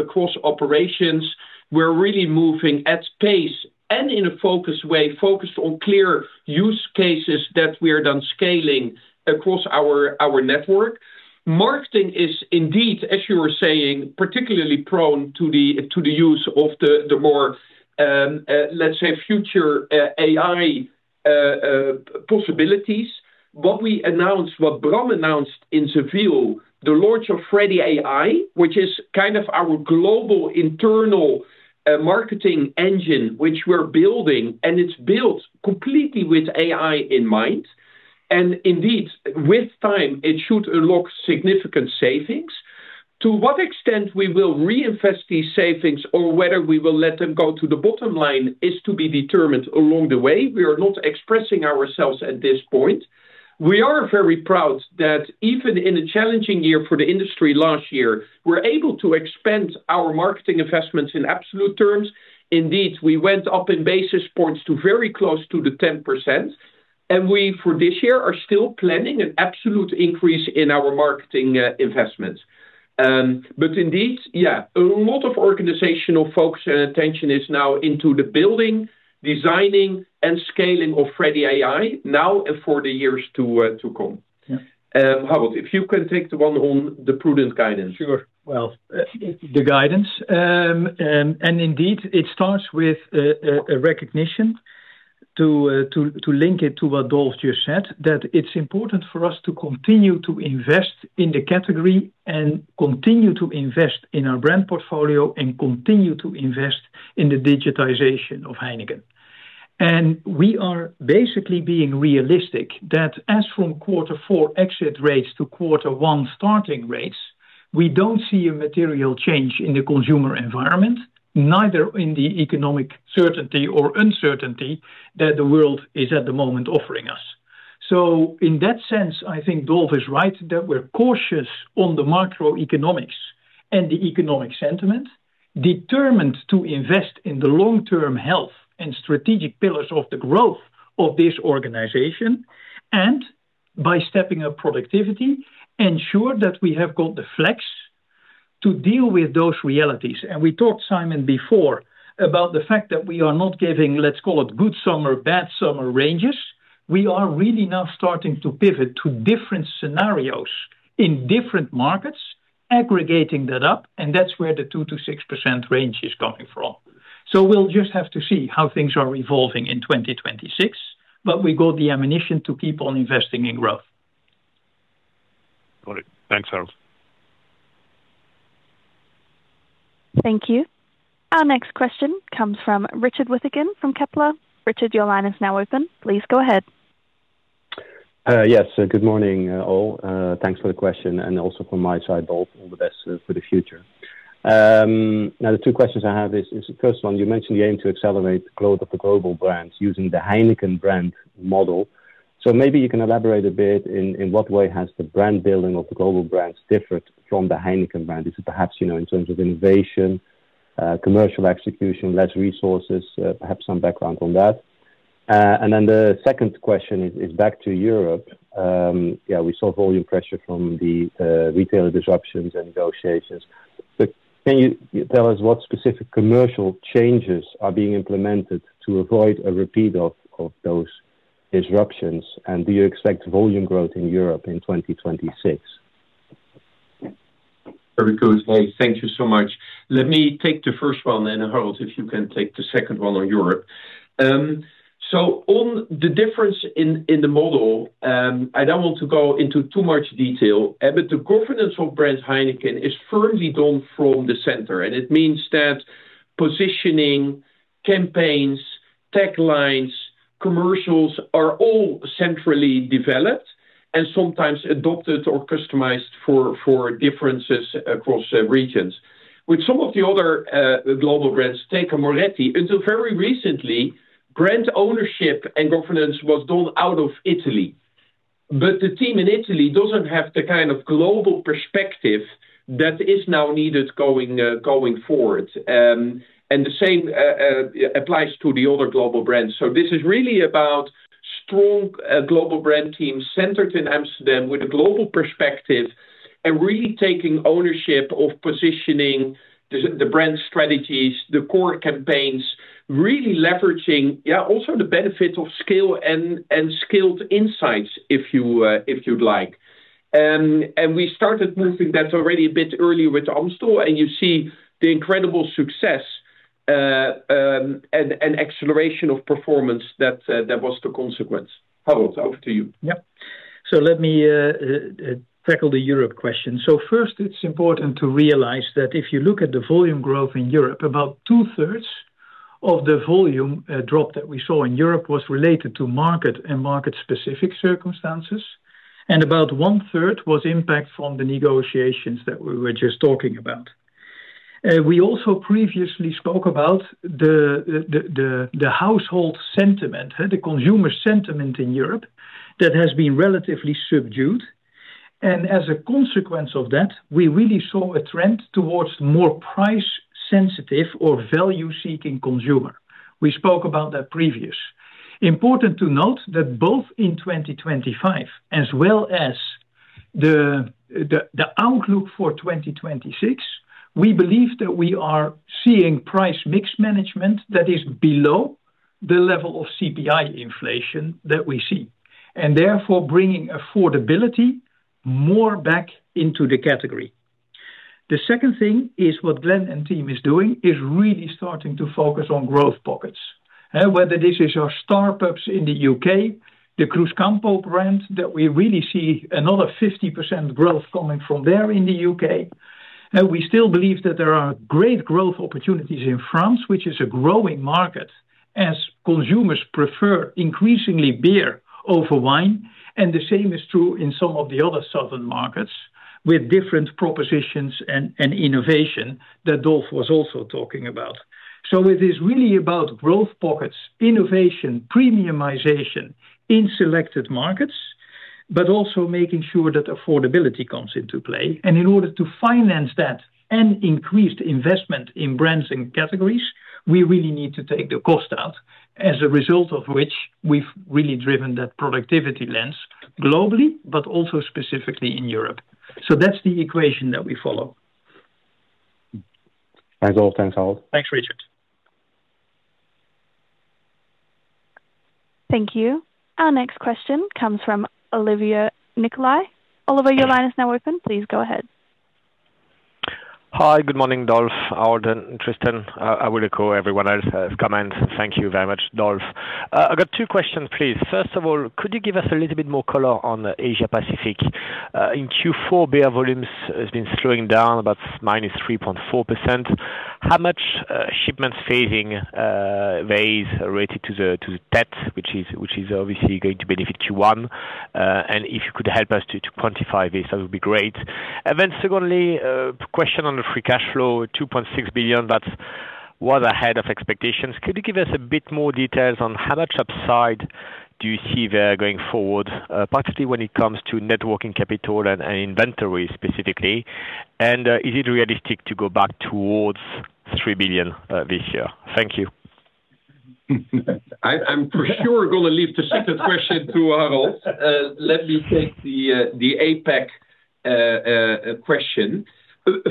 across operations, we're really moving at pace and in a focused way, focused on clear use cases that we are then scaling across our network. Marketing is indeed, as you were saying, particularly prone to the use of the more, let's say, future AI possibilities. What we announced, what Bram announced in Seville, the launch of Freddy AI, which is kind of our global internal marketing engine, which we're building, and it's built completely with AI in mind. And indeed, with time, it should unlock significant savings. To what extent we will reinvest these savings or whether we will let them go to the bottom line is to be determined along the way. We are not expressing ourselves at this point. We are very proud that even in a challenging year for the industry last year, we're able to expand our marketing investments in absolute terms. Indeed, we went up in basis points to very close to the 10%. And we for this year are still planning an absolute increase in our marketing investments. But indeed, yeah, a lot of organizational focus and attention is now into the building, designing, and scaling of Freddy AI now and for the years to come. Harold, if you can take the one on the prudent guidance. Sure. Well, the guidance. Indeed, it starts with a recognition to link it to what Dolf just said, that it's important for us to continue to invest in the category and continue to invest in our brand portfolio and continue to invest in the digitization of Heineken. We are basically being realistic that as from quarter four exit rates to quarter one starting rates, we don't see a material change in the consumer environment, neither in the economic certainty or uncertainty that the world is at the moment offering us. So in that sense, I think Dolf is right that we're cautious on the macroeconomics and the economic sentiment, determined to invest in the long-term health and strategic pillars of the growth of this organization. By stepping up productivity, ensure that we have got the flex to deal with those realities. We talked, Simon, before about the fact that we are not giving, let's call it, good summer, bad summer ranges. We are really now starting to pivot to different scenarios in different markets, aggregating that up. That's where the 2%-6% range is coming from. We'll just have to see how things are evolving in 2026, but we got the ammunition to keep on investing in growth. Got it. Thanks, Harold. Thank you. Our next question comes from Richard Withagen from Kepler. Richard, your line is now open. Please go ahead. Yes. Good morning, all. Thanks for the question. And also from my side, Dolf, all the best for the future. Now, the two questions I have is, first one, you mentioned the aim to accelerate the growth of the global brands using the Heineken brand model. So maybe you can elaborate a bit in what way has the brand building of the global brands differed from the Heineken brand? Is it perhaps in terms of innovation, commercial execution, less resources, perhaps some background on that? And then the second question is back to Europe. Yeah, we saw volume pressure from the retailer disruptions and negotiations. But can you tell us what specific commercial changes are being implemented to avoid a repeat of those disruptions? And do you expect volume growth in Europe in 2026? Very good. Hey, thank you so much. Let me take the first one, and then Harold, if you can take the second one on Europe. So on the difference in the model, I don't want to go into too much detail, but the governance of brand Heineken is firmly done from the center. And it means that positioning, campaigns, taglines, commercials are all centrally developed and sometimes adopted or customized for differences across regions. With some of the other global brands, take a Moretti. Until very recently, brand ownership and governance was done out of Italy. But the team in Italy doesn't have the kind of global perspective that is now needed going forward. And the same applies to the other global brands. So this is really about strong global brand teams centered in Amsterdam with a global perspective and really taking ownership of positioning, the brand strategies, the core campaigns, really leveraging, yeah, also the benefit of skill and skilled insights, if you'd like. And we started moving that already a bit early with Amstel, and you see the incredible success and acceleration of performance that was the consequence. Harold, over to you. Yeah. So let me tackle the Europe question. So first, it's important to realize that if you look at the volume growth in Europe, about 2/3 of the volume drop that we saw in Europe was related to market and market-specific circumstances. And about 1/3 was impact from the negotiations that we were just talking about. We also previously spoke about the household sentiment, the consumer sentiment in Europe that has been relatively subdued. And as a consequence of that, we really saw a trend towards more price-sensitive or value-seeking consumer. We spoke about that previous. Important to note that both in 2025 as well as the outlook for 2026, we believe that we are seeing price mix management that is below the level of CPI inflation that we see, and therefore bringing affordability more back into the category. The second thing is what Glenn and team is doing is really starting to focus on growth pockets. Whether this is our startups in the UK, the Cruzcampo brand that we really see another 50% growth coming from there in the UK. We still believe that there are great growth opportunities in France, which is a growing market as consumers prefer increasingly beer over wine. And the same is true in some of the other southern markets with different propositions and innovation that Dolf was also talking about. So it is really about growth pockets, innovation, premiumization in selected markets, but also making sure that affordability comes into play. And in order to finance that and increase the investment in brands and categories, we really need to take the cost out, as a result of which we've really driven that productivity lens globally, but also specifically in Europe. That's the equation that we follow. Thanks, Dolf. Thanks, Harold. Thanks, Richard. Thank you. Our next question comes from Olivier Nicolai. Oliver, your line is now open. Please go ahead. Hi. Good morning, Dolf, Harold, and Tristan. I will echo everyone else's comments. Thank you very much, Dolf. I got two questions, please. First of all, could you give us a little bit more color on Asia-Pacific? In Q4, beer volumes have been slowing down about -3.4%. How much shipments phasing was related to the Tet, which is obviously going to benefit Q1? And if you could help us to quantify this, that would be great. And then secondly, question on the free cash flow, 2.6 billion, that was ahead of expectations. Could you give us a bit more details on how much upside do you see there going forward, particularly when it comes to net working capital and inventory specifically? And is it realistic to go back towards 3 billion this year? Thank you. I'm for sure going to leave the second question to Harold. Let me take the APAC question.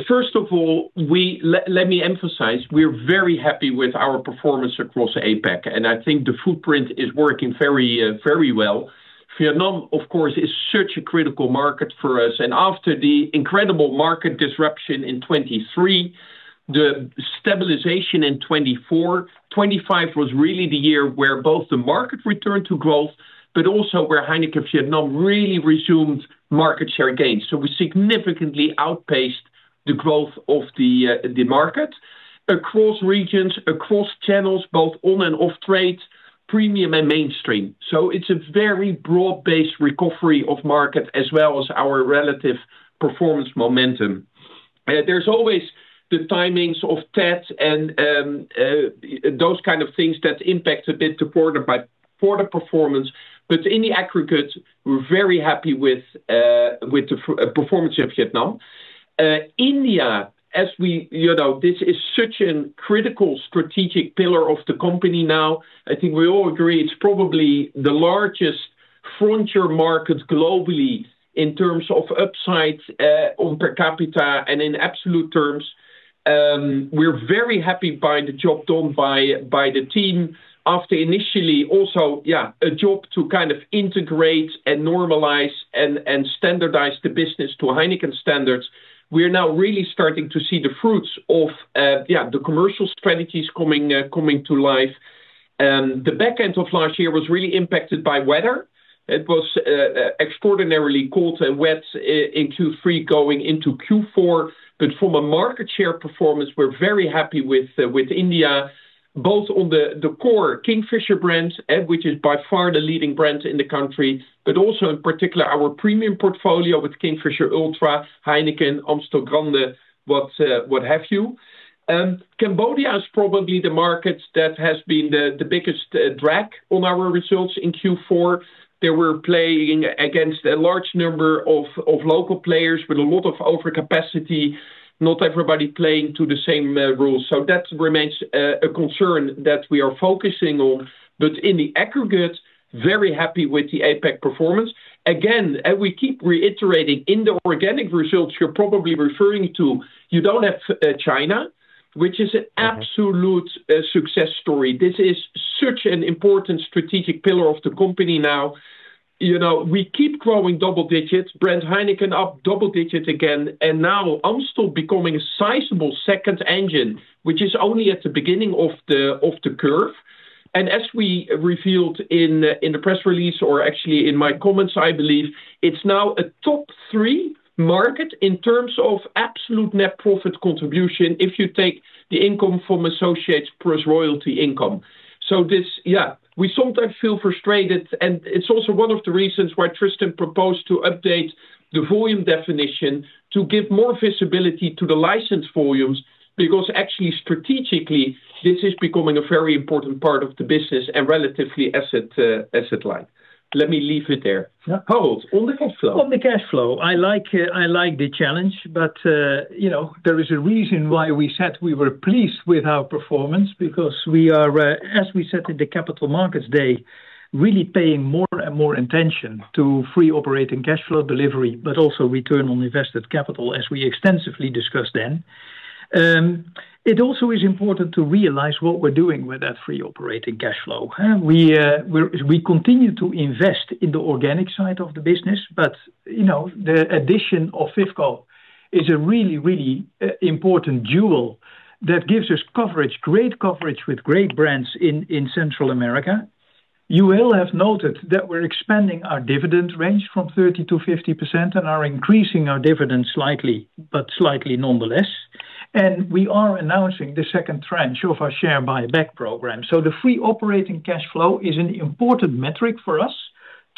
First of all, let me emphasize, we're very happy with our performance across APAC, and I think the footprint is working very well. Vietnam, of course, is such a critical market for us. After the incredible market disruption in 2023, the stabilization in 2024, 2025 was really the year where both the market returned to growth, but also where Heineken Vietnam really resumed market share gains. We significantly outpaced the growth of the market across regions, across channels, both on and off trade, premium and mainstream. It's a very broad-based recovery of market as well as our relative performance momentum. There's always the timings of Tet and those kind of things that impact a bit the quarter-by-quarter performance. In the aggregate, we're very happy with the performance of Vietnam. India, this is such a critical strategic pillar of the company now. I think we all agree it's probably the largest frontier market globally in terms of upside on per capita. And in absolute terms, we're very happy by the job done by the team. After initially also, yeah, a job to kind of integrate and normalize and standardize the business to Heineken standards, we're now really starting to see the fruits of the commercial strategies coming to life. The back end of last year was really impacted by weather. It was extraordinarily cold and wet in Q3 going into Q4. But from a market share performance, we're very happy with India, both on the core Kingfisher brand, which is by far the leading brand in the country, but also in particular our premium portfolio with Kingfisher Ultra, Heineken, Amstel brand, what have you. Cambodia is probably the market that has been the biggest drag on our results in Q4. They were playing against a large number of local players with a lot of overcapacity, not everybody playing to the same rules. So that remains a concern that we are focusing on. But in the aggregate, very happy with the APAC performance. Again, and we keep reiterating in the organic results, you're probably referring to, you don't have China, which is an absolute success story. This is such an important strategic pillar of the company now. We keep growing double digits, brand Heineken up double digit again, and now Amstel becoming a sizable second engine, which is only at the beginning of the curve. And as we revealed in the press release or actually in my comments, I believe it's now a top three market in terms of absolute net profit contribution if you take the income from associates plus royalty income. So this, yeah, we sometimes feel frustrated. And it's also one of the reasons why Tristan proposed to update the volume definition to give more visibility to the licensed volumes because actually strategically, this is becoming a very important part of the business and relatively asset-like. Let me leave it there. Harold, on the cash flow. On the cash flow, I like the challenge. But there is a reason why we said we were pleased with our performance because we are, as we said in the Capital Markets Day, really paying more and more attention to free operating cash flow delivery, but also return on invested capital as we extensively discussed then. It also is important to realize what we're doing with that free operating cash flow. We continue to invest in the organic side of the business, but the addition of FIFCO is a really, really important jewel that gives us coverage, great coverage with great brands in Central America. You will have noted that we're expanding our dividend range from 30%-50% and are increasing our dividend slightly, but slightly nonetheless. And we are announcing the second tranche of our share buyback program. So the free operating cash flow is an important metric for us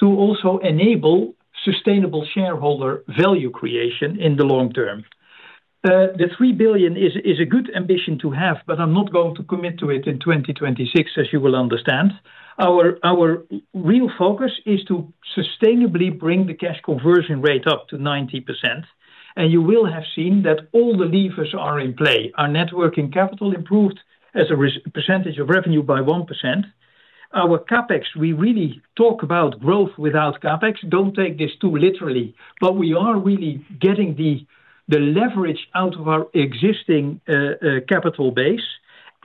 to also enable sustainable shareholder value creation in the long term. The 3 billion is a good ambition to have, but I'm not going to commit to it in 2026, as you will understand. Our real focus is to sustainably bring the cash conversion rate up to 90%. And you will have seen that all the levers are in play. Our net working capital improved as a percentage of revenue by 1%. Our CapEx, we really talk about growth without CapEx. Don't take this too literally, but we are really getting the leverage out of our existing capital base.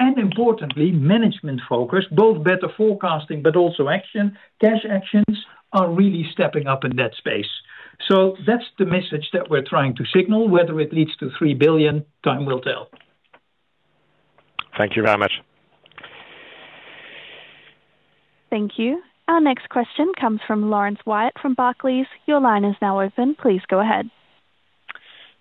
And importantly, management focus, both better forecasting but also action, cash actions are really stepping up in that space. So that's the message that we're trying to signal. Whether it leads to 3 billion, time will tell. Thank you very much. Thank you. Our next question comes from Laurence Whyatt from Barclays. Your line is now open. Please go ahead.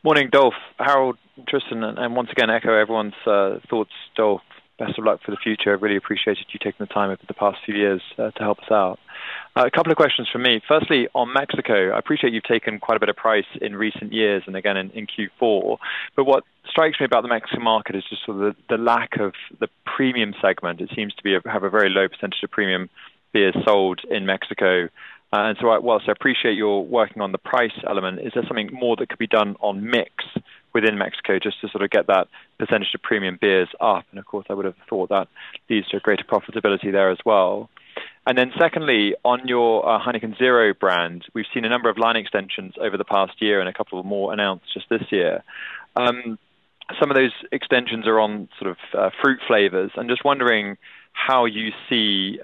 Morning, Dolf. Harold, Tristan, and once again, echo everyone's thoughts, Dolf. Best of luck for the future. I really appreciated you taking the time over the past few years to help us out. A couple of questions for me. Firstly, on Mexico, I appreciate you've taken quite a bit of price in recent years and again in Q4. But what strikes me about the Mexican market is just sort of the lack of the premium segment. It seems to have a very low percentage of premium beers sold in Mexico. And so while I appreciate your working on the price element, is there something more that could be done on mix within Mexico just to sort of get that percentage of premium beers up? And of course, I would have thought that leads to greater profitability there as well. And then secondly, on your Heineken 0.0 brand, we've seen a number of line extensions over the past year and a couple more announced just this year. Some of those extensions are on sort of fruit flavors. I'm just wondering how you see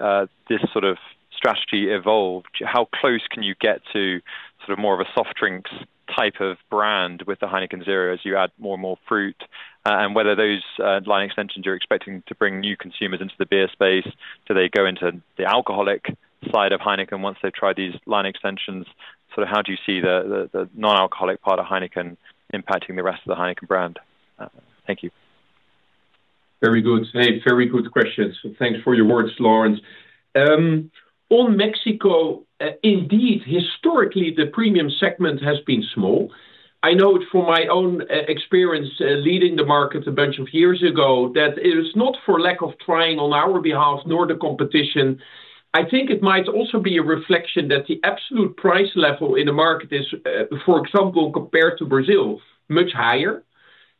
this sort of strategy evolve. How close can you get to sort of more of a soft drinks type of brand with the Heineken 0.0 as you add more and more fruit? And whether those line extensions you're expecting to bring new consumers into the beer space, do they go into the alcoholic side of Heineken once they've tried these line extensions? Sort of how do you see the non-alcoholic part of Heineken impacting the rest of the Heineken brand? Thank you. Very good. Hey, very good questions. Thanks for your words, Laurence. On Mexico, indeed, historically, the premium segment has been small. I know it from my own experience leading the market a bunch of years ago that it is not for lack of trying on our behalf nor the competition. I think it might also be a reflection that the absolute price level in the market is, for example, compared to Brazil, much higher.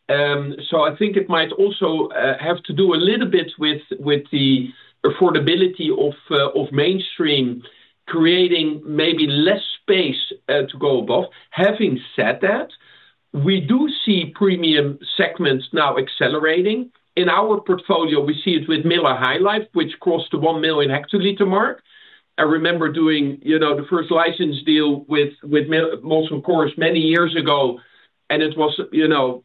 So I think it might also have to do a little bit with the affordability of mainstream, creating maybe less space to go above. Having said that, we do see premium segments now accelerating. In our portfolio, we see it with Miller High Life, which crossed the 1 million hectoliter mark. I remember doing the first license deal with Molson Coors many years ago, and it was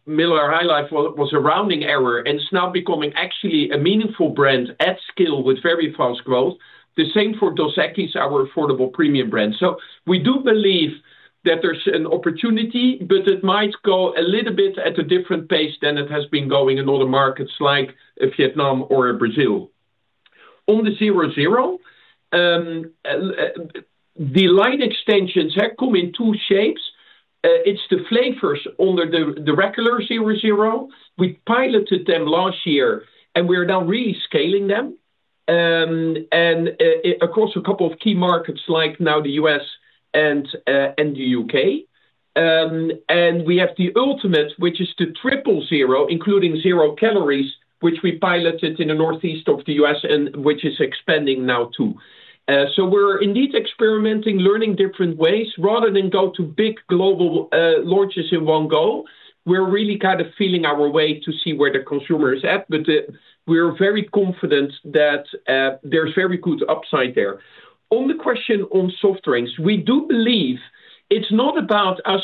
Miller High Life was a rounding error. It's now becoming actually a meaningful brand at scale with very fast growth. The same for Dos Equis, our affordable premium brand. So we do believe that there's an opportunity, but it might go a little bit at a different pace than it has been going in other markets like Vietnam or Brazil. On the 0.0, the line extensions have come in two shapes. It's the flavors under the regular 0.0. We piloted them last year, and we are now really scaling them across a couple of key markets like now the U.S. and the U.K. And we have the ultimate, which is the 0.0.0, including zero calories, which we piloted in the northeast of the U.S. and which is expanding now too. So we're indeed experimenting, learning different ways rather than go to big global launches in one go. We're really kind of feeling our way to see where the consumer is at, but we're very confident that there's very good upside there. On the question on soft drinks, we do believe it's not about us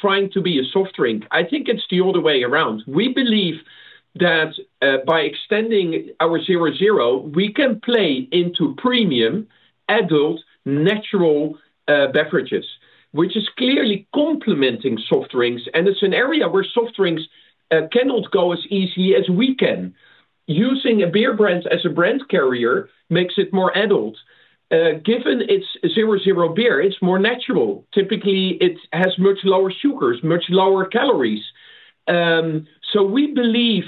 trying to be a soft drink. I think it's the other way around. We believe that by extending our 0.0, we can play into premium adult natural beverages, which is clearly complementing soft drinks. And it's an area where soft drinks cannot go as easy as we can. Using a beer brand as a brand carrier makes it more adult. Given it's 0.0 beer, it's more natural. Typically, it has much lower sugars, much lower calories. So we believe,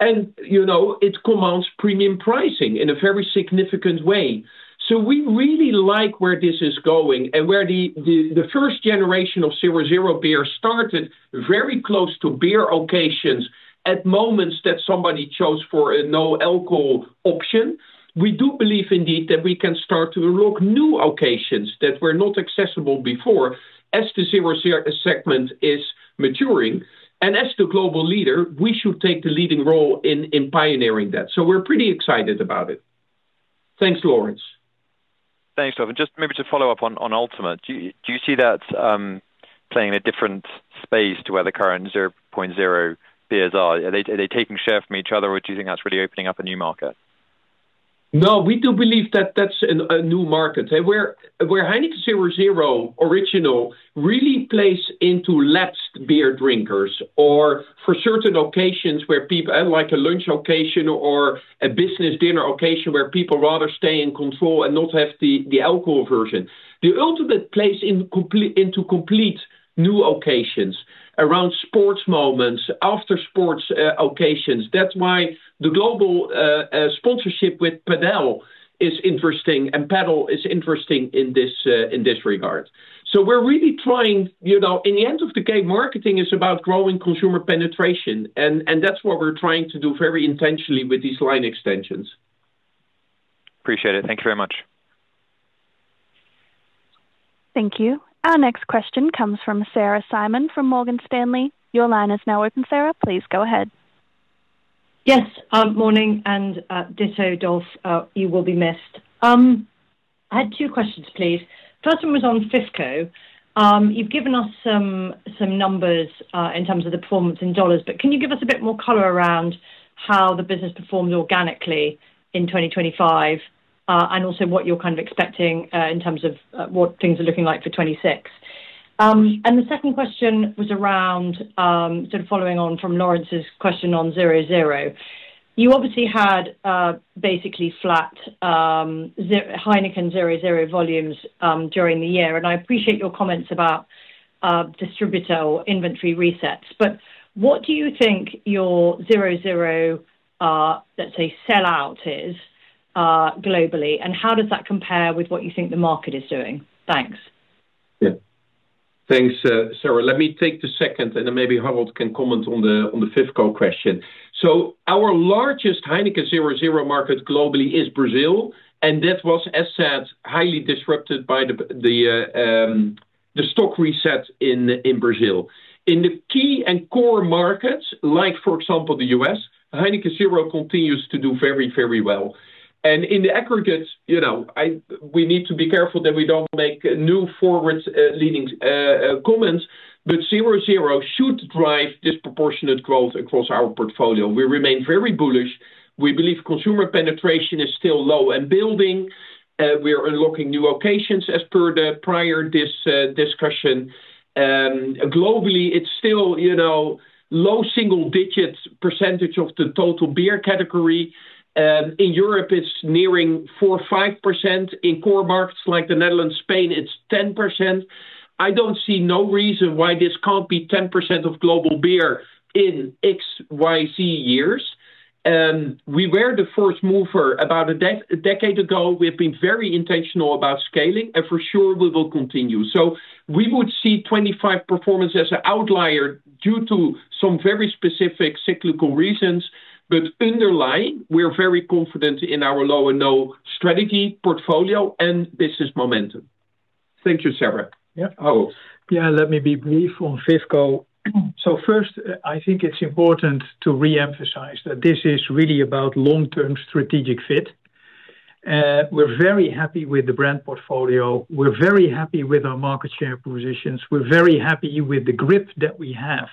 and it commands premium pricing in a very significant way. We really like where this is going and where the first generation of 0.0 beer started very close to beer occasions at moments that somebody chose for a no-alcohol option. We do believe indeed that we can start to unlock new occasions that were not accessible before as the 0.0 segment is maturing. And as the global leader, we should take the leading role in pioneering that. So we're pretty excited about it. Thanks, Laurence. Thanks, Dolf. Just maybe to follow up on Ultimate, do you see that playing in a different space to where the current 0.0 beers are? Are they taking share from each other, or do you think that's really opening up a new market? No, we do believe that that's a new market. Where Heineken 0.0 Original really plays into lapsed beer drinkers or for certain occasions where people, like a lunch occasion or a business dinner occasion where people rather stay in control and not have the alcohol version, the Ultimate plays into complete new occasions around sports moments, after sports occasions. That's why the global sponsorship with Padel is interesting and Padel is interesting in this regard. So we're really trying; at the end of the day, marketing is about growing consumer penetration, and that's what we're trying to do very intentionally with these line extensions. Appreciate it. Thank you very much. Thank you. Our next question comes from Sarah Simon from Morgan Stanley. Your line is now open, Sarah. Please go ahead. Yes. Morning and ditto Dolf, you will be missed. I had two questions, please. First one was on FIFCO. You've given us some numbers in terms of the performance in dollars, but can you give us a bit more color around how the business performed organically in 2025 and also what you're kind of expecting in terms of what things are looking like for 2026? And the second question was around sort of following on from Laurence's question on 0.0. You obviously had basically flat Heineken 0.0 volumes during the year, and I appreciate your comments about distributor inventory resets. But what do you think your 0.0, let's say, sellout is globally, and how does that compare with what you think the market is doing? Thanks. Yeah. Thanks, Sarah. Let me take the second, and then maybe Harold can comment on the FIFCO question. So our largest Heineken 0.0 market globally is Brazil, and that was, as said, highly disrupted by the stock reset in Brazil. In the key and core markets, like for example, the U.S., Heineken 0.0 continues to do very, very well. And in the aggregate, we need to be careful that we don't make new forward-leaning comments, but 0.0 should drive disproportionate growth across our portfolio. We remain very bullish. We believe consumer penetration is still low and building. We're unlocking new occasions as per the prior discussion. Globally, it's still low single-digit percentage of the total beer category. In Europe, it's nearing 4%, 5%. In core markets like the Netherlands, Spain, it's 10%. I don't see no reason why this can't be 10% of global beer in XYZ years. We were the first mover about a decade ago. We have been very intentional about scaling, and for sure, we will continue. So we would see 2025 performance as an outlier due to some very specific cyclical reasons, but underlying, we're very confident in our low and no strategy portfolio and business momentum. Thank you, Sarah. Yeah. Yeah, let me be brief on FIFCO. So first, I think it's important to reemphasize that this is really about long-term strategic fit. We're very happy with the brand portfolio. We're very happy with our market share positions. We're very happy with the grip that we have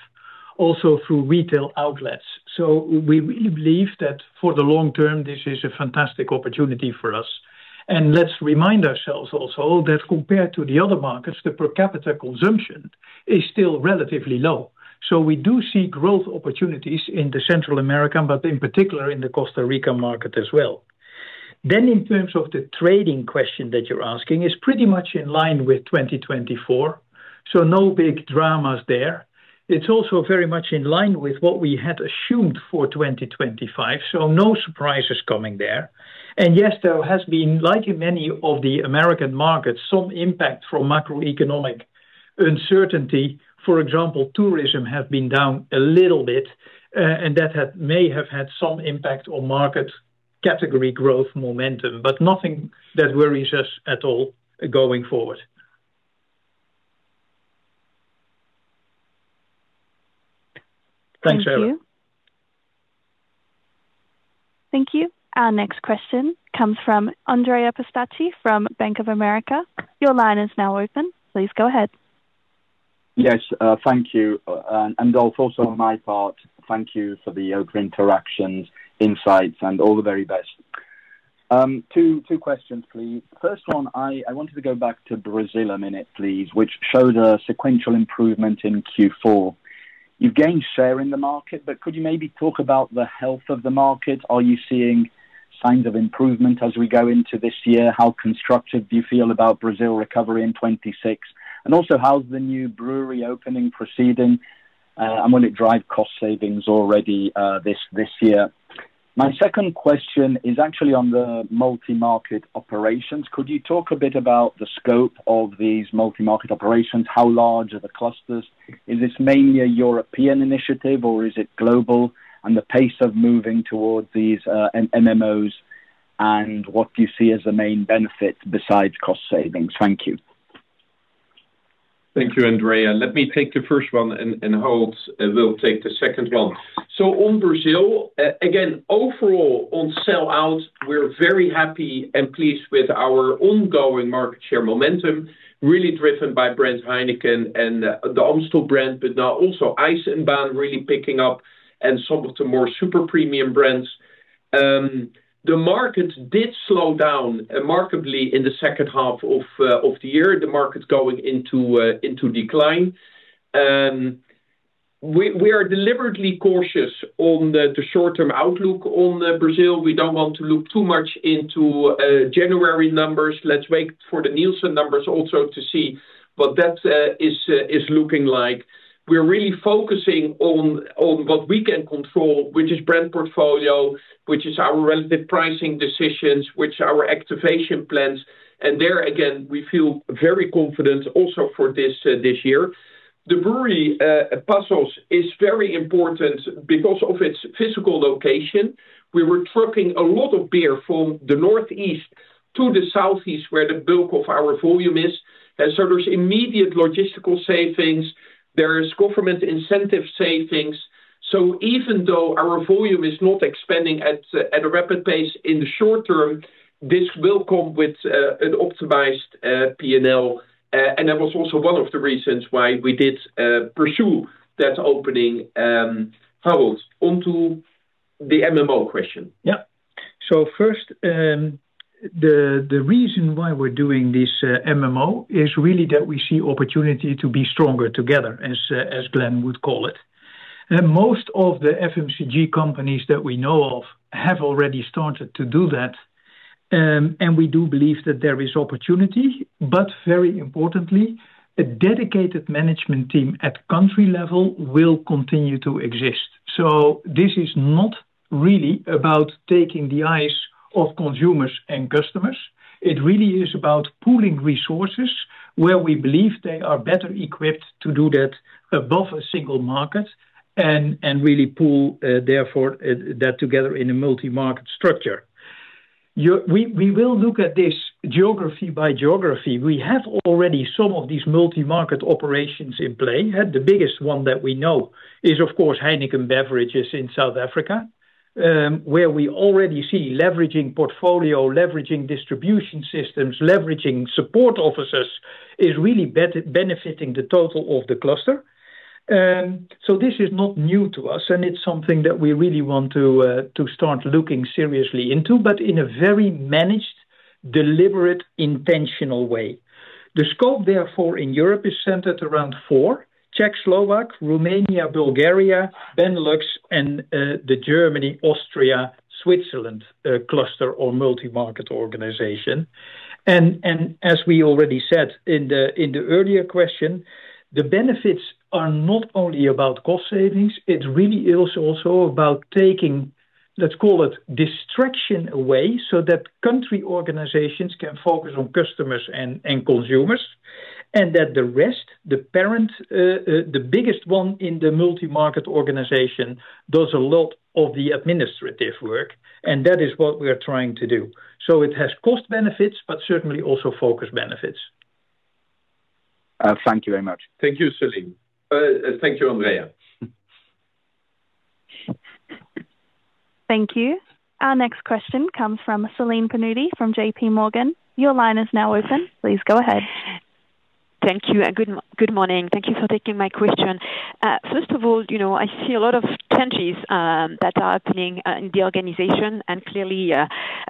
also through retail outlets. So we really believe that for the long term, this is a fantastic opportunity for us. And let's remind ourselves also that compared to the other markets, the per capita consumption is still relatively low. So we do see growth opportunities in Central America, but in particular in the Costa Rica market as well. Then in terms of the trading question that you're asking, it's pretty much in line with 2024. So no big dramas there. It's also very much in line with what we had assumed for 2025. So no surprises coming there. Yes, there has been, like in many of the American markets, some impact from macroeconomic uncertainty. For example, tourism has been down a little bit, and that may have had some impact on market category growth momentum, but nothing that worries us at all going forward. Thanks, Sarah. Thank you. Thank you. Our next question comes from Andrea Pistacchi from Bank of America. Your line is now open. Please go ahead. Yes. Thank you. And Dolf, also on my part, thank you for the open interactions, insights, and all the very best. Two questions, please. First one, I wanted to go back to Brazil a minute, please, which showed a sequential improvement in Q4. You've gained share in the market, but could you maybe talk about the health of the market? Are you seeing signs of improvement as we go into this year? How constructive do you feel about Brazil recovery in 2026? And also, how's the new brewery opening proceeding, and will it drive cost savings already this year? My second question is actually on the multi-market operations. Could you talk a bit about the scope of these multi-market operations? How large are the clusters? Is this mainly a European initiative, or is it global and the pace of moving towards these MMOs, and what do you see as the main benefit besides cost savings? Thank you. Thank you, Andrea. Let me take the first one, and Harold will take the second one. So on Brazil, again, overall, on sellout, we're very happy and pleased with our ongoing market share momentum, really driven by brands Heineken and the Amstel brand, but now also Eisenbahn really picking up and some of the more super premium brands. The market did slow down markedly in the second half of the year, the market going into decline. We are deliberately cautious on the short-term outlook on Brazil. We don't want to look too much into January numbers. Let's wait for the Nielsen numbers also to see what that is looking like. We're really focusing on what we can control, which is brand portfolio, which is our relative pricing decisions, which are our activation plans. And there, again, we feel very confident also for this year. The brewery Passos is very important because of its physical location. We were trucking a lot of beer from the northeast to the southeast where the bulk of our volume is. And so there's immediate logistical savings. There are government incentive savings. So even though our volume is not expanding at a rapid pace in the short term, this will come with an optimized P&L. And that was also one of the reasons why we did pursue that opening. Harold, onto the MMO question. Yeah. So first, the reason why we're doing this MMO is really that we see opportunity to be stronger together, as Glenn would call it. Most of the FMCG companies that we know of have already started to do that, and we do believe that there is opportunity. But very importantly, a dedicated management team at country level will continue to exist. So this is not really about taking the eyes off consumers and customers. It really is about pooling resources where we believe they are better equipped to do that above a single market and really pool therefore that together in a multi-market structure. We will look at this geography by geography. We have already some of these multi-market operations in play. The biggest one that we know is, of course, Heineken Beverages in South Africa, where we already see leveraging portfolio, leveraging distribution systems, leveraging support officers is really benefiting the total of the cluster. So this is not new to us, and it's something that we really want to start looking seriously into, but in a very managed, deliberate, intentional way. The scope, therefore, in Europe is centered around four: Czech & Slovakia, Romania, Bulgaria, Benelux, and the Germany, Austria, Switzerland cluster or multi-market organization. And as we already said in the earlier question, the benefits are not only about cost savings. It's really also about taking, let's call it, distraction away so that country organizations can focus on customers and consumers, and that the rest, the parent, the biggest one in the multi-market organization, does a lot of the administrative work. And that is what we're trying to do. It has cost benefits, but certainly also focus benefits. Thank you very much. Thank you, Celine. Thank you, Andrea. Thank you. Our next question comes from Celine Pannuti from J.P. Morgan. Your line is now open. Please go ahead. Thank you. Good morning. Thank you for taking my question. First of all, I see a lot of changes that are happening in the organization and clearly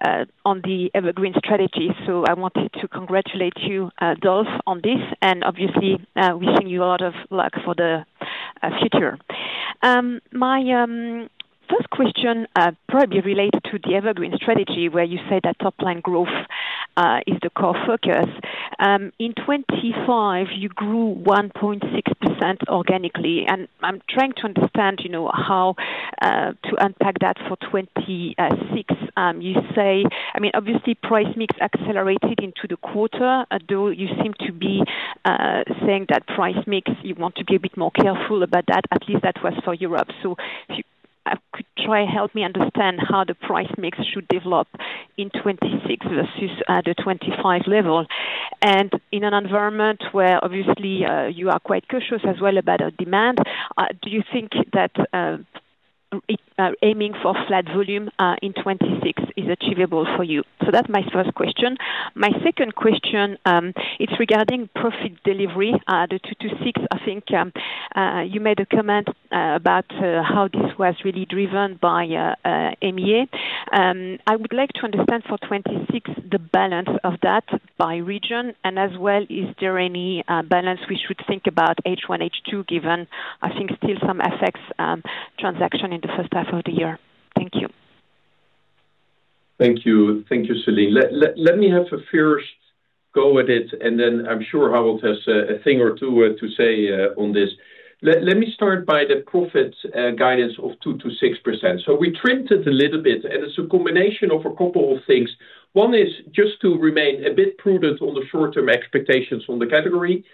on the Evergreen strategy. So I wanted to congratulate you, Dolf, on this and obviously wishing you a lot of luck for the future. My first question probably relates to the Evergreen strategy where you say that top-line growth is the core focus. In 2025, you grew 1.6% organically. And I'm trying to understand how to unpack that for 2026. I mean, obviously, price mix accelerated into the quarter, though you seem to be saying that price mix, you want to be a bit more careful about that. At least that was for Europe. So if you could try to help me understand how the price mix should develop in 2026 versus the 2025 level. In an environment where obviously you are quite cautious as well about demand, do you think that aiming for flat volume in 2026 is achievable for you? That's my first question. My second question, it's regarding profit delivery. The 2022-2026, I think you made a comment about how this was really driven by M&A. I would like to understand for 2026 the balance of that by region and as well as is there any balance we should think about H1, H2 given, I think, still some FX transaction in the first half of the year. Thank you. Thank you. Thank you, Celine. Let me have a first go at it, and then I'm sure Harold has a thing or two to say on this. Let me start by the profit guidance of 2%-6%. So we trimmed it a little bit, and it's a combination of a couple of things. One is just to remain a bit prudent on the short-term expectations on the category.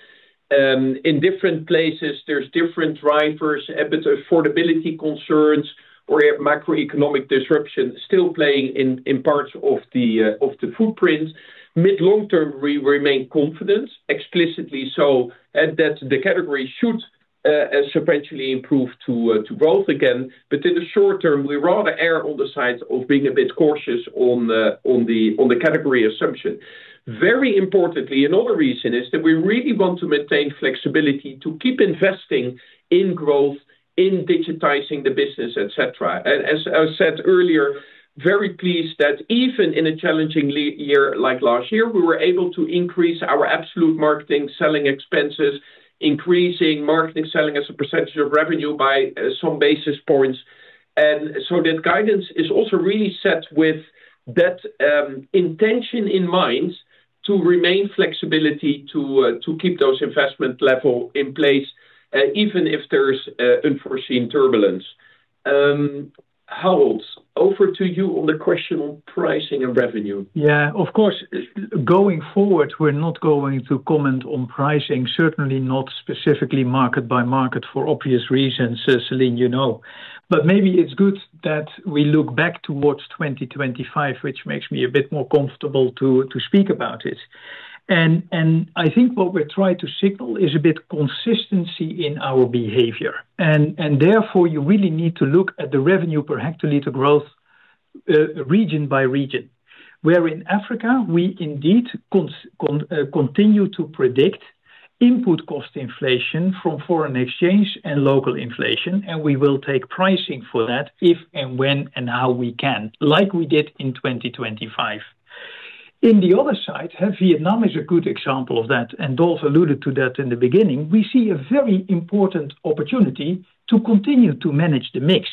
In different places, there's different drivers, a bit of affordability concerns or macroeconomic disruption still playing in parts of the footprint. Mid-long term, we remain confident, explicitly so that the category should substantially improve to growth again. But in the short term, we rather err on the side of being a bit cautious on the category assumption. Very importantly, another reason is that we really want to maintain flexibility to keep investing in growth, in digitizing the business, etc. As I said earlier, very pleased that even in a challenging year like last year, we were able to increase our absolute marketing selling expenses, increasing marketing selling as a percentage of revenue by some basis points. So that guidance is also really set with that intention in mind to remain flexibility to keep those investment levels in place even if there's unforeseen turbulence. Harold, over to you on the question on pricing and revenue. Yeah, of course. Going forward, we're not going to comment on pricing, certainly not specifically market by market for obvious reasons, Celine, you know. But maybe it's good that we look back towards 2025, which makes me a bit more comfortable to speak about it. And I think what we're trying to signal is a bit consistency in our behavior. And therefore, you really need to look at the revenue per hectoliter growth region by region, where in Africa, we indeed continue to predict input cost inflation from foreign exchange and local inflation, and we will take pricing for that if and when and how we can, like we did in 2025. On the other side, Vietnam is a good example of that, and Dolf alluded to that in the beginning. We see a very important opportunity to continue to manage the mix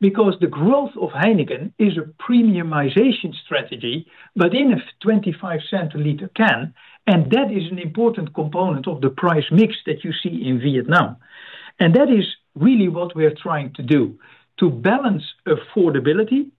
because the growth of Heineken is a premiumization strategy, but in a 25-centiliter can, and that is an important component of the price mix that you see in Vietnam. And that is really what we're trying to do, to balance affordability,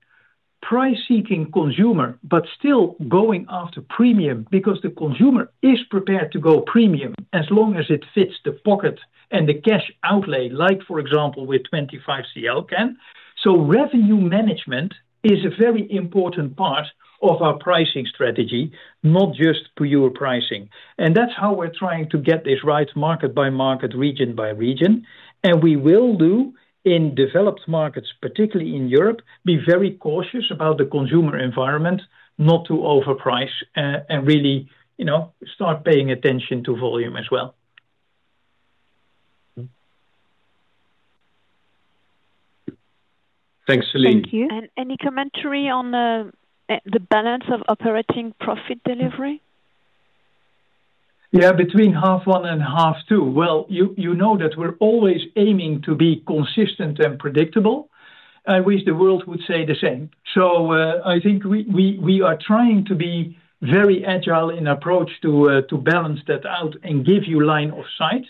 price-seeking consumer, but still going after premium because the consumer is prepared to go premium as long as it fits the pocket and the cash outlay, like for example, with 25 cl can. So revenue management is a very important part of our pricing strategy, not just pure pricing. And that's how we're trying to get this right market by market, region by region. And we will do in developed markets, particularly in Europe, be very cautious about the consumer environment, not to overprice and really start paying attention to volume as well. Thanks, Celine. Thank you. Any commentary on the balance of operating profit delivery? Yeah, between 1:30 and 2:00. Well, you know that we're always aiming to be consistent and predictable, at least the world would say the same. So I think we are trying to be very agile in approach to balance that out and give you line of sight.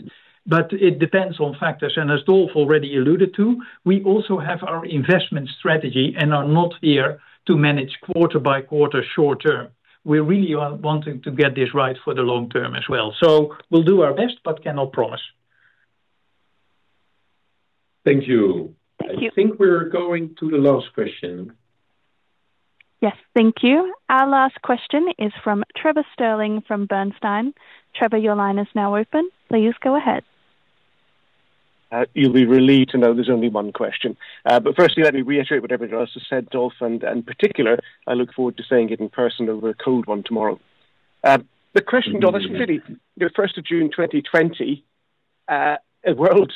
But it depends on factors. And as Dolf already alluded to, we also have our investment strategy and are not here to manage quarter by quarter short term. We're really wanting to get this right for the long term as well. So we'll do our best, but cannot promise. Thank you. I think we're going to the last question. Yes, thank you. Our last question is from Trevor Stirling from Bernstein. Trevor, your line is now open. Please go ahead. You'll be relieved to know there's only one question. Firstly, let me reiterate what everyone else has said, Dolf. In particular, I look forward to seeing it in person over a cold one tomorrow. The question, Dolf, that's really the 1st of June 2020. A lot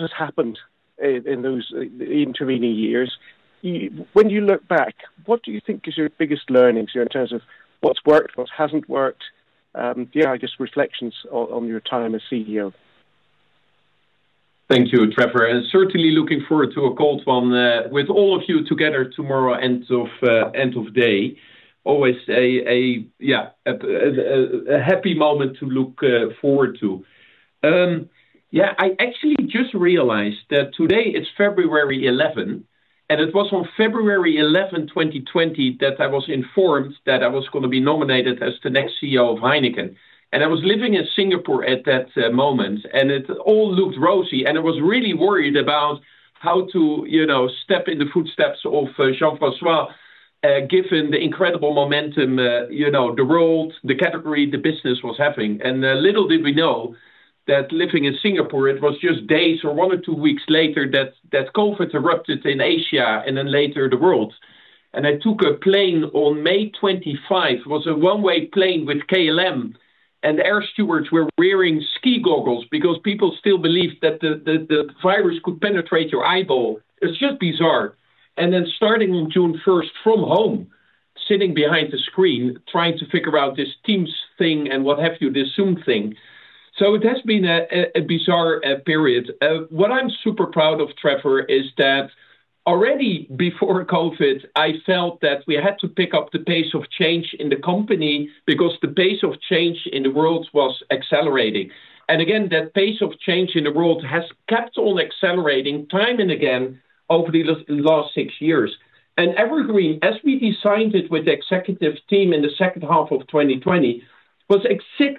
has happened in those intervening years. When you look back, what do you think is your biggest learnings here in terms of what's worked, what hasn't worked, just reflections on your time as CEO? Thank you, Trevor. Certainly looking forward to a cold one with all of you together tomorrow, end of day. Always a, yeah, a happy moment to look forward to. Yeah, I actually just realized that today it's February 11th, and it was on February 11th, 2020, that I was informed that I was going to be nominated as the next CEO of Heineken. I was living in Singapore at that moment, and it all looked rosy. I was really worried about how to step in the footsteps of Jean-François, given the incredible momentum, the world, the category, the business was having. Little did we know that living in Singapore, it was just days or one or two weeks later that COVID erupted in Asia and then later the world. I took a plane on May 25th. It was a one-way plane with KLM, and the air stewards were wearing ski goggles because people still believed that the virus could penetrate your eyeball. It's just bizarre. And then starting on June 1st from home, sitting behind the screen, trying to figure out this Teams thing and what have you, this Zoom thing. So it has been a bizarre period. What I'm super proud of, Trevor, is that already before COVID, I felt that we had to pick up the pace of change in the company because the pace of change in the world was accelerating. And again, that pace of change in the world has kept on accelerating time and again over the last six years. And Evergreen, as we designed it with the executive team in the second half of 2020, was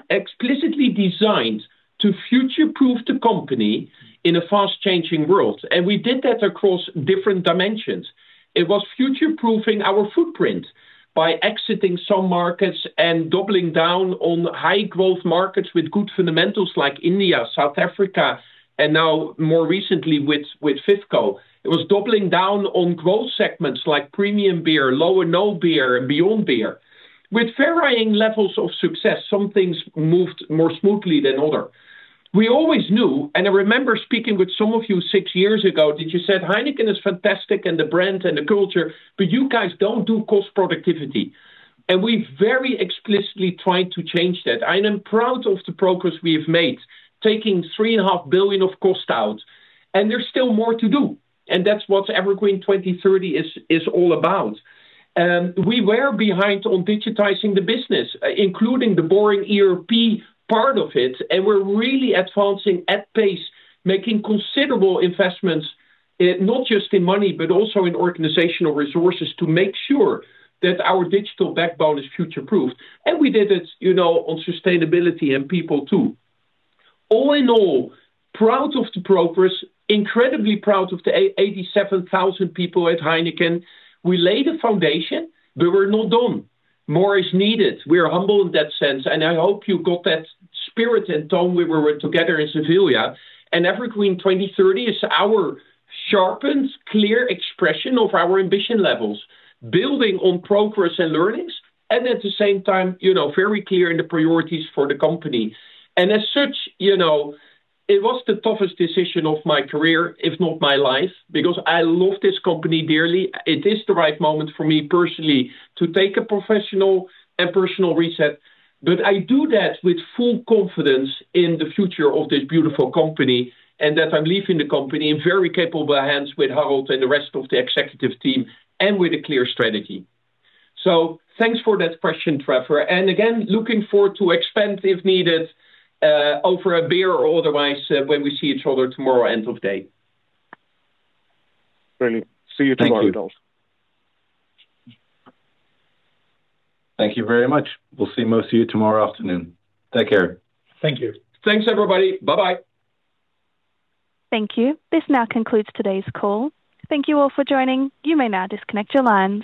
explicitly designed to future-proof the company in a fast-changing world. We did that across different dimensions. It was future-proofing our footprint by exiting some markets and doubling down on high-growth markets with good fundamentals like India, South Africa, and now more recently with FIFCO. It was doubling down on growth segments like premium beer, low/no beer, and beyond beer. With varying levels of success, some things moved more smoothly than others. We always knew, and I remember speaking with some of you six years ago, that you said, "Heineken is fantastic and the brand and the culture, but you guys don't do cost productivity." And we've very explicitly tried to change that. I am proud of the progress we have made, taking 3.5 billion of cost out. There's still more to do. That's what Evergreen 2030 is all about. We were behind on digitizing the business, including the boring ERP part of it. We're really advancing at pace, making considerable investments, not just in money, but also in organizational resources to make sure that our digital backbone is future-proofed. We did it on sustainability and people too. All in all, proud of the progress, incredibly proud of the 87,000 people at Heineken. We laid a foundation, but we're not done. More is needed. We are humble in that sense. I hope you got that spirit and tone when we were together in Seville. Evergreen 2030 is our sharpened, clear expression of our ambition levels, building on progress and learnings, and at the same time, very clear in the priorities for the company. As such, it was the toughest decision of my career, if not my life, because I love this company dearly. It is the right moment for me personally to take a professional and personal reset. But I do that with full confidence in the future of this beautiful company and that I'm leaving the company in very capable hands with Harold and the rest of the executive team and with a clear strategy. So thanks for that question, Trevor. And again, looking forward to expand if needed over a beer or otherwise when we see each other tomorrow, end of day. Really. See you tomorrow, Dolf. Thank you very much. We'll see most of you tomorrow afternoon. Take care. Thank you. Thanks, everybody. Bye-bye. Thank you. This now concludes today's call. Thank you all for joining. You may now disconnect your lines.